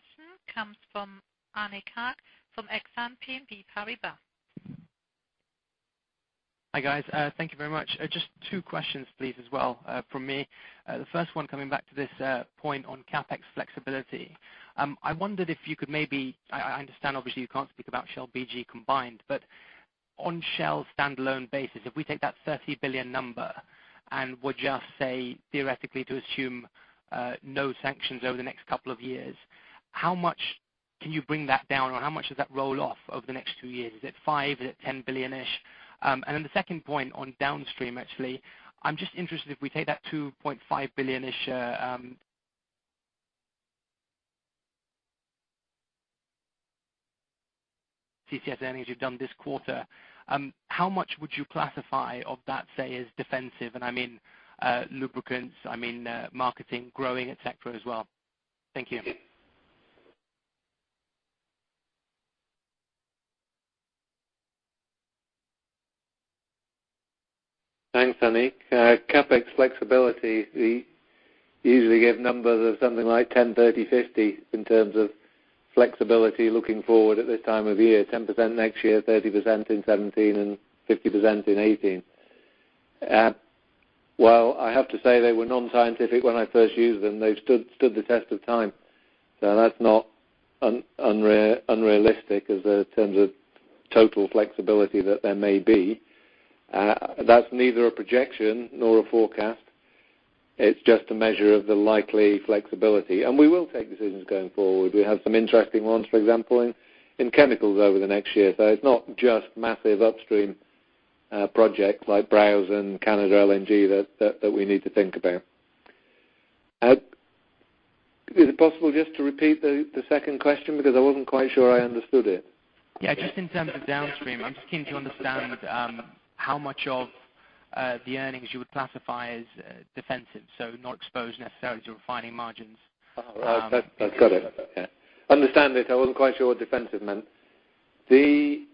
comes from Arne Karp from Exane BNP Paribas. Hi, guys. Thank you very much. Just two questions please as well from me. The first one, coming back to this point on CapEx flexibility. I understand, obviously, you can't speak about Shell BG combined, but on Shell's standalone basis, if we take that $30 billion number and would just say theoretically to assume no sanctions over the next couple of years, how much can you bring that down or how much does that roll off over the next two years? Is it five? Is it $10 billion-ish? The second point on Downstream, actually, I'm just interested, if we take that $2.5 billion-ish CCS earnings you've done this quarter, how much would you classify of that, say, as defensive? I mean lubricants, I mean marketing growing, et cetera, as well. Thank you. Thanks, Arne. CapEx flexibility, we usually give numbers of something like 10/30/50 in terms of flexibility looking forward at this time of year, 10% next year, 30% in 2017, and 50% in 2018. While I have to say they were non-scientific when I first used them, they've stood the test of time. That's not unrealistic in terms of total flexibility that there may be. That's neither a projection nor a forecast. It's just a measure of the likely flexibility. We will take decisions going forward. We have some interesting ones, for example, in chemicals over the next year. It's not just massive upstream projects like Bravo and LNG Canada that we need to think about. Is it possible just to repeat the second question? Because I wasn't quite sure I understood it. Yeah. Just in terms of downstream, I'm just keen to understand how much of the earnings you would classify as defensive, so not exposed necessarily to refining margins. Got it. Yeah. Understand it. I wasn't quite sure what defensive meant. We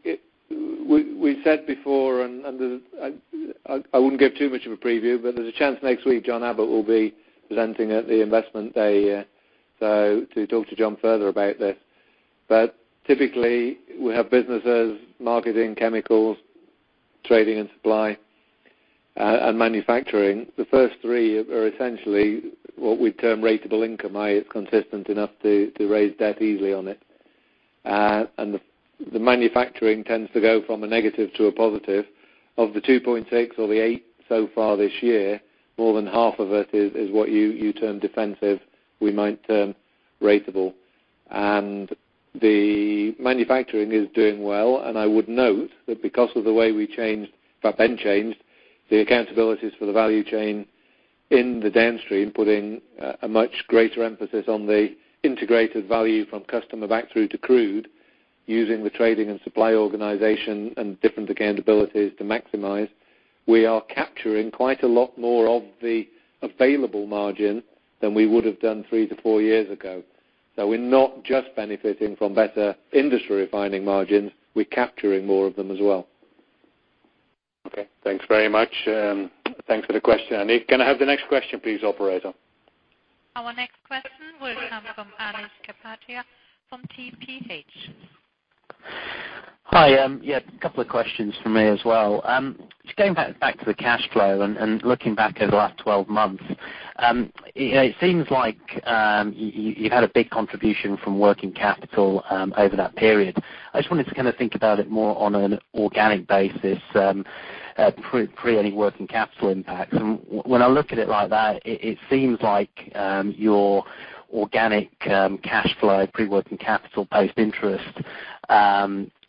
said before, I wouldn't give too much of a preview, but there's a chance next week, John Abbott will be presenting at the investment day. Do talk to John further about this. Typically, we have businesses, marketing, chemicals, trading and supply, and manufacturing. The first three are essentially what we term ratable income. It's consistent enough to raise debt easily on it. The manufacturing tends to go from a negative to a positive. Of the $2.6 or the $8 so far this year, more than half of it is what you term defensive, we might term ratable. The manufacturing is doing well, and I would note that because of the way Ben changed the accountabilities for the value chain in the downstream, putting a much greater emphasis on the integrated value from customer back through to crude, using the trading and supply organization and different accountabilities to maximize, we are capturing quite a lot more of the available margin than we would have done three to four years ago. We're not just benefiting from better industry refining margins, we're capturing more of them as well. Okay, thanks very much. Thanks for the question, Ani. Can I have the next question please, operator? Our next question will come from Anish Kapadia from TPH. Hi. A couple of questions from me as well. Just going back to the cash flow and looking back over the last 12 months, it seems like you had a big contribution from working capital over that period. I just wanted to think about it more on an organic basis, pre any working capital impact. When I look at it like that, it seems like your organic cash flow, pre-working capital, post-interest,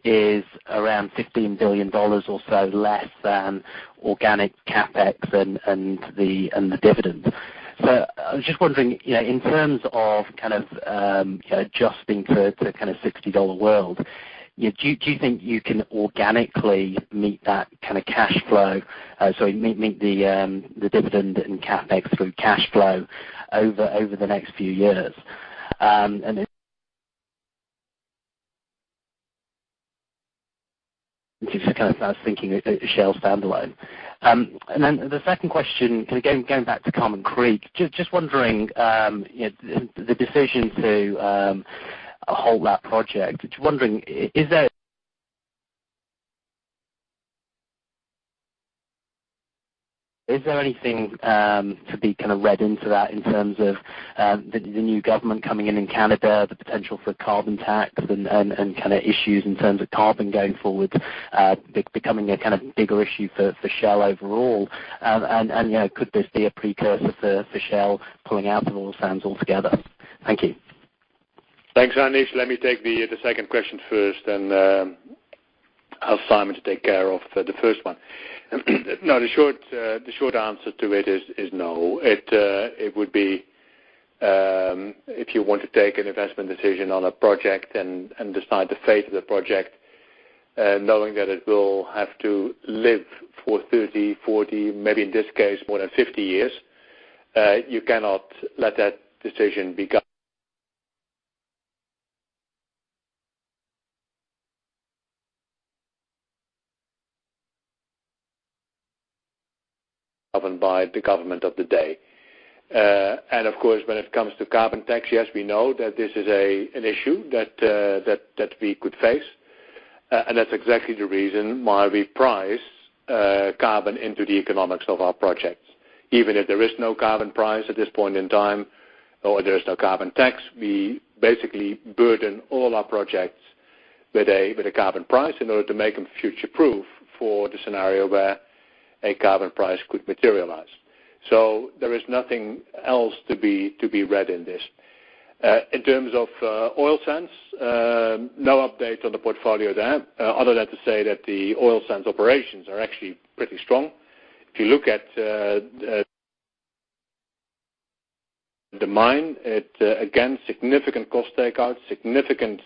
is around $15 billion or so less than organic CapEx and the dividend. So I was just wondering, in terms of adjusting to a $60 world, do you think you can organically meet the dividend and CapEx through cash flow over the next few years? If just kind of thinking Shell standalone. The second question, going back to Carmon Creek, just wondering, the decision to halt that project. Just wondering, is there anything to be read into that in terms of the new government coming in in Canada, the potential for carbon tax and issues in terms of carbon going forward, becoming a bigger issue for Shell overall. Could this be a precursor for Shell pulling out of oil sands altogether? Thank you. Thanks, Anish. Let me take the second question first, then I'll have Simon to take care of the first one. No, the short answer to it is no. If you want to take an investment decision on a project and decide the fate of the project, knowing that it will have to live for 30, 40, maybe in this case, more than 50 years, you cannot let that decision be. Driven by the government of the day. Of course, when it comes to carbon tax, yes, we know that this is an issue that we could face. That's exactly the reason why we price carbon into the economics of our projects. Even if there is no carbon price at this point in time, or there is no carbon tax, we basically burden all our projects with a carbon price in order to make them future proof for the scenario where a carbon price could materialize. There is nothing else to be read in this. In terms of oil sands, no update on the portfolio there, other than to say that the oil sands operations are actually pretty strong. If you look at the mine, it again, significant cost takeout, significant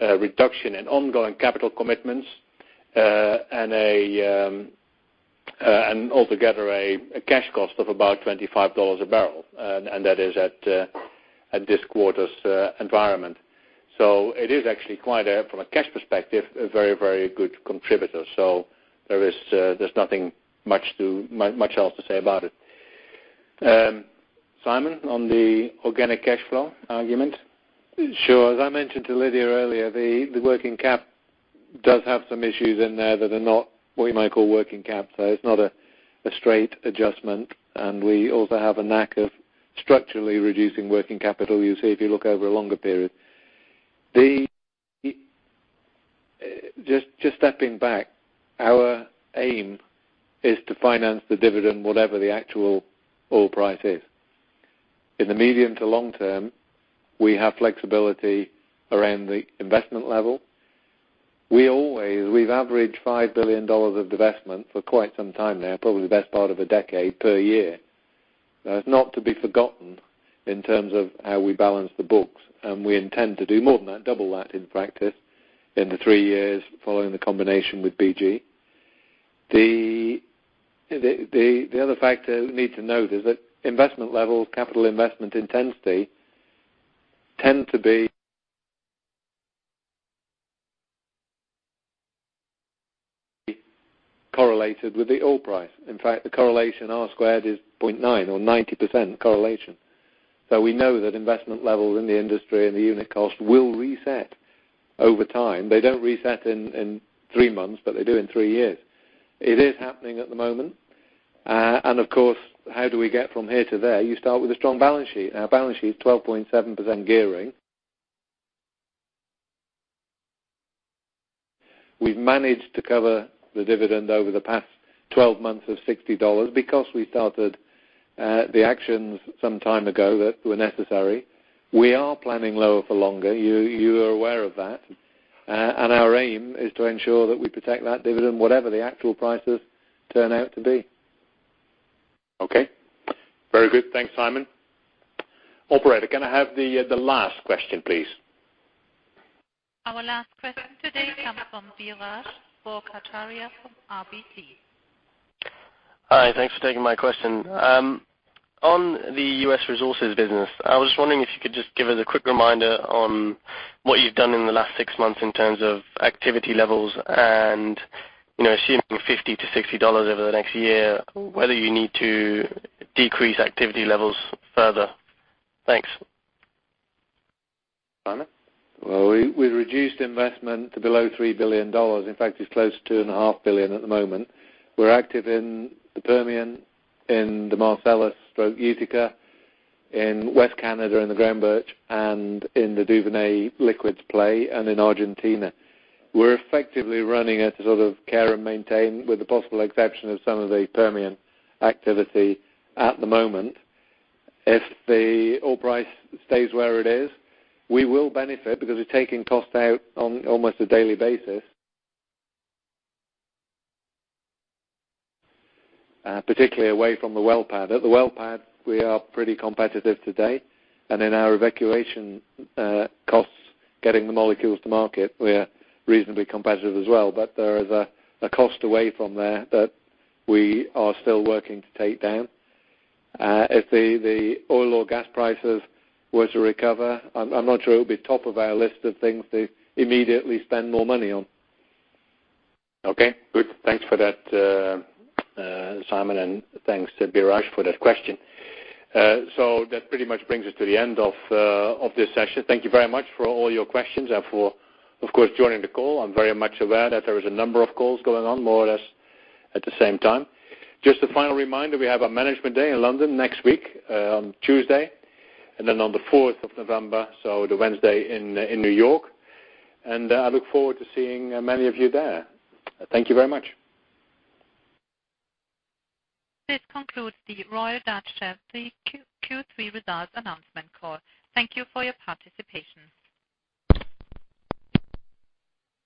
reduction in ongoing capital commitments, altogether a cash cost of about $25 a barrel, and that is at this quarter's environment. It is actually quite, from a cash perspective, a very good contributor. There's nothing much else to say about it. Simon, on the organic cash flow argument? Sure. As I mentioned to Lydia earlier, the working cap does have some issues in there that are not what you might call working cap. It's not a straight adjustment, we also have a knack of structurally reducing working capital, you'll see if you look over a longer period. Just stepping back, our aim is to finance the dividend, whatever the actual oil price is. In the medium to long term, we have flexibility around the investment level. We've averaged $5 billion of divestment for quite some time now, probably the best part of a decade per year. That's not to be forgotten in terms of how we balance the books, we intend to do more than that, double that in practice, in the three years following the combination with BG. The other factor we need to note is that investment level, capital investment intensity tend to be correlated with the oil price. In fact, the correlation R-squared is 0.9 or 90% correlation. We know that investment levels in the industry and the unit cost will reset over time. They don't reset in three months, but they do in three years. It is happening at the moment. Of course, how do we get from here to there? You start with a strong balance sheet, our balance sheet is 12.7% gearing. We've managed to cover the dividend over the past 12 months of $60 because we started the actions some time ago that were necessary. We are planning lower for longer, you are aware of that. Our aim is to ensure that we protect that dividend, whatever the actual prices turn out to be. Okay. Very good. Thanks, Simon. Operator, can I have the last question, please? Our last question today comes from Biraj Borkhataria from RBC. Hi. Thanks for taking my question. On the U.S. resources business, I was just wondering if you could just give us a quick reminder on what you've done in the last six months in terms of activity levels and, assuming $50 to $60 over the next year, whether you need to decrease activity levels further. Thanks. Simon? We reduced investment to below $3 billion. In fact, it's close to $2.5 billion at the moment. We're active in the Permian, in the Marcellus/Utica, in Western Canada in the Groundbirch, and in the Duvernay liquids play and in Argentina. We're effectively running at a sort of care and maintain, with the possible exception of some of the Permian activity at the moment. If the oil price stays where it is, we will benefit because we're taking cost out on almost a daily basis particularly away from the well pad. At the well pad, we are pretty competitive today, and in our evacuation costs, getting the molecules to market, we are reasonably competitive as well. There is a cost away from there that we are still working to take down. If the oil or gas prices were to recover, I'm not sure it would be top of our list of things to immediately spend more money on. Okay, good. Thanks for that, Simon, and thanks to Biraj for that question. That pretty much brings us to the end of this session. Thank you very much for all your questions and for, of course, joining the call. I'm very much aware that there is a number of calls going on more or less at the same time. Just a final reminder, we have our management day in London next week on Tuesday, and then on the 4th of November, the Wednesday in New York. I look forward to seeing many of you there. Thank you very much. This concludes the Royal Dutch Shell Q3 results announcement call. Thank you for your participation.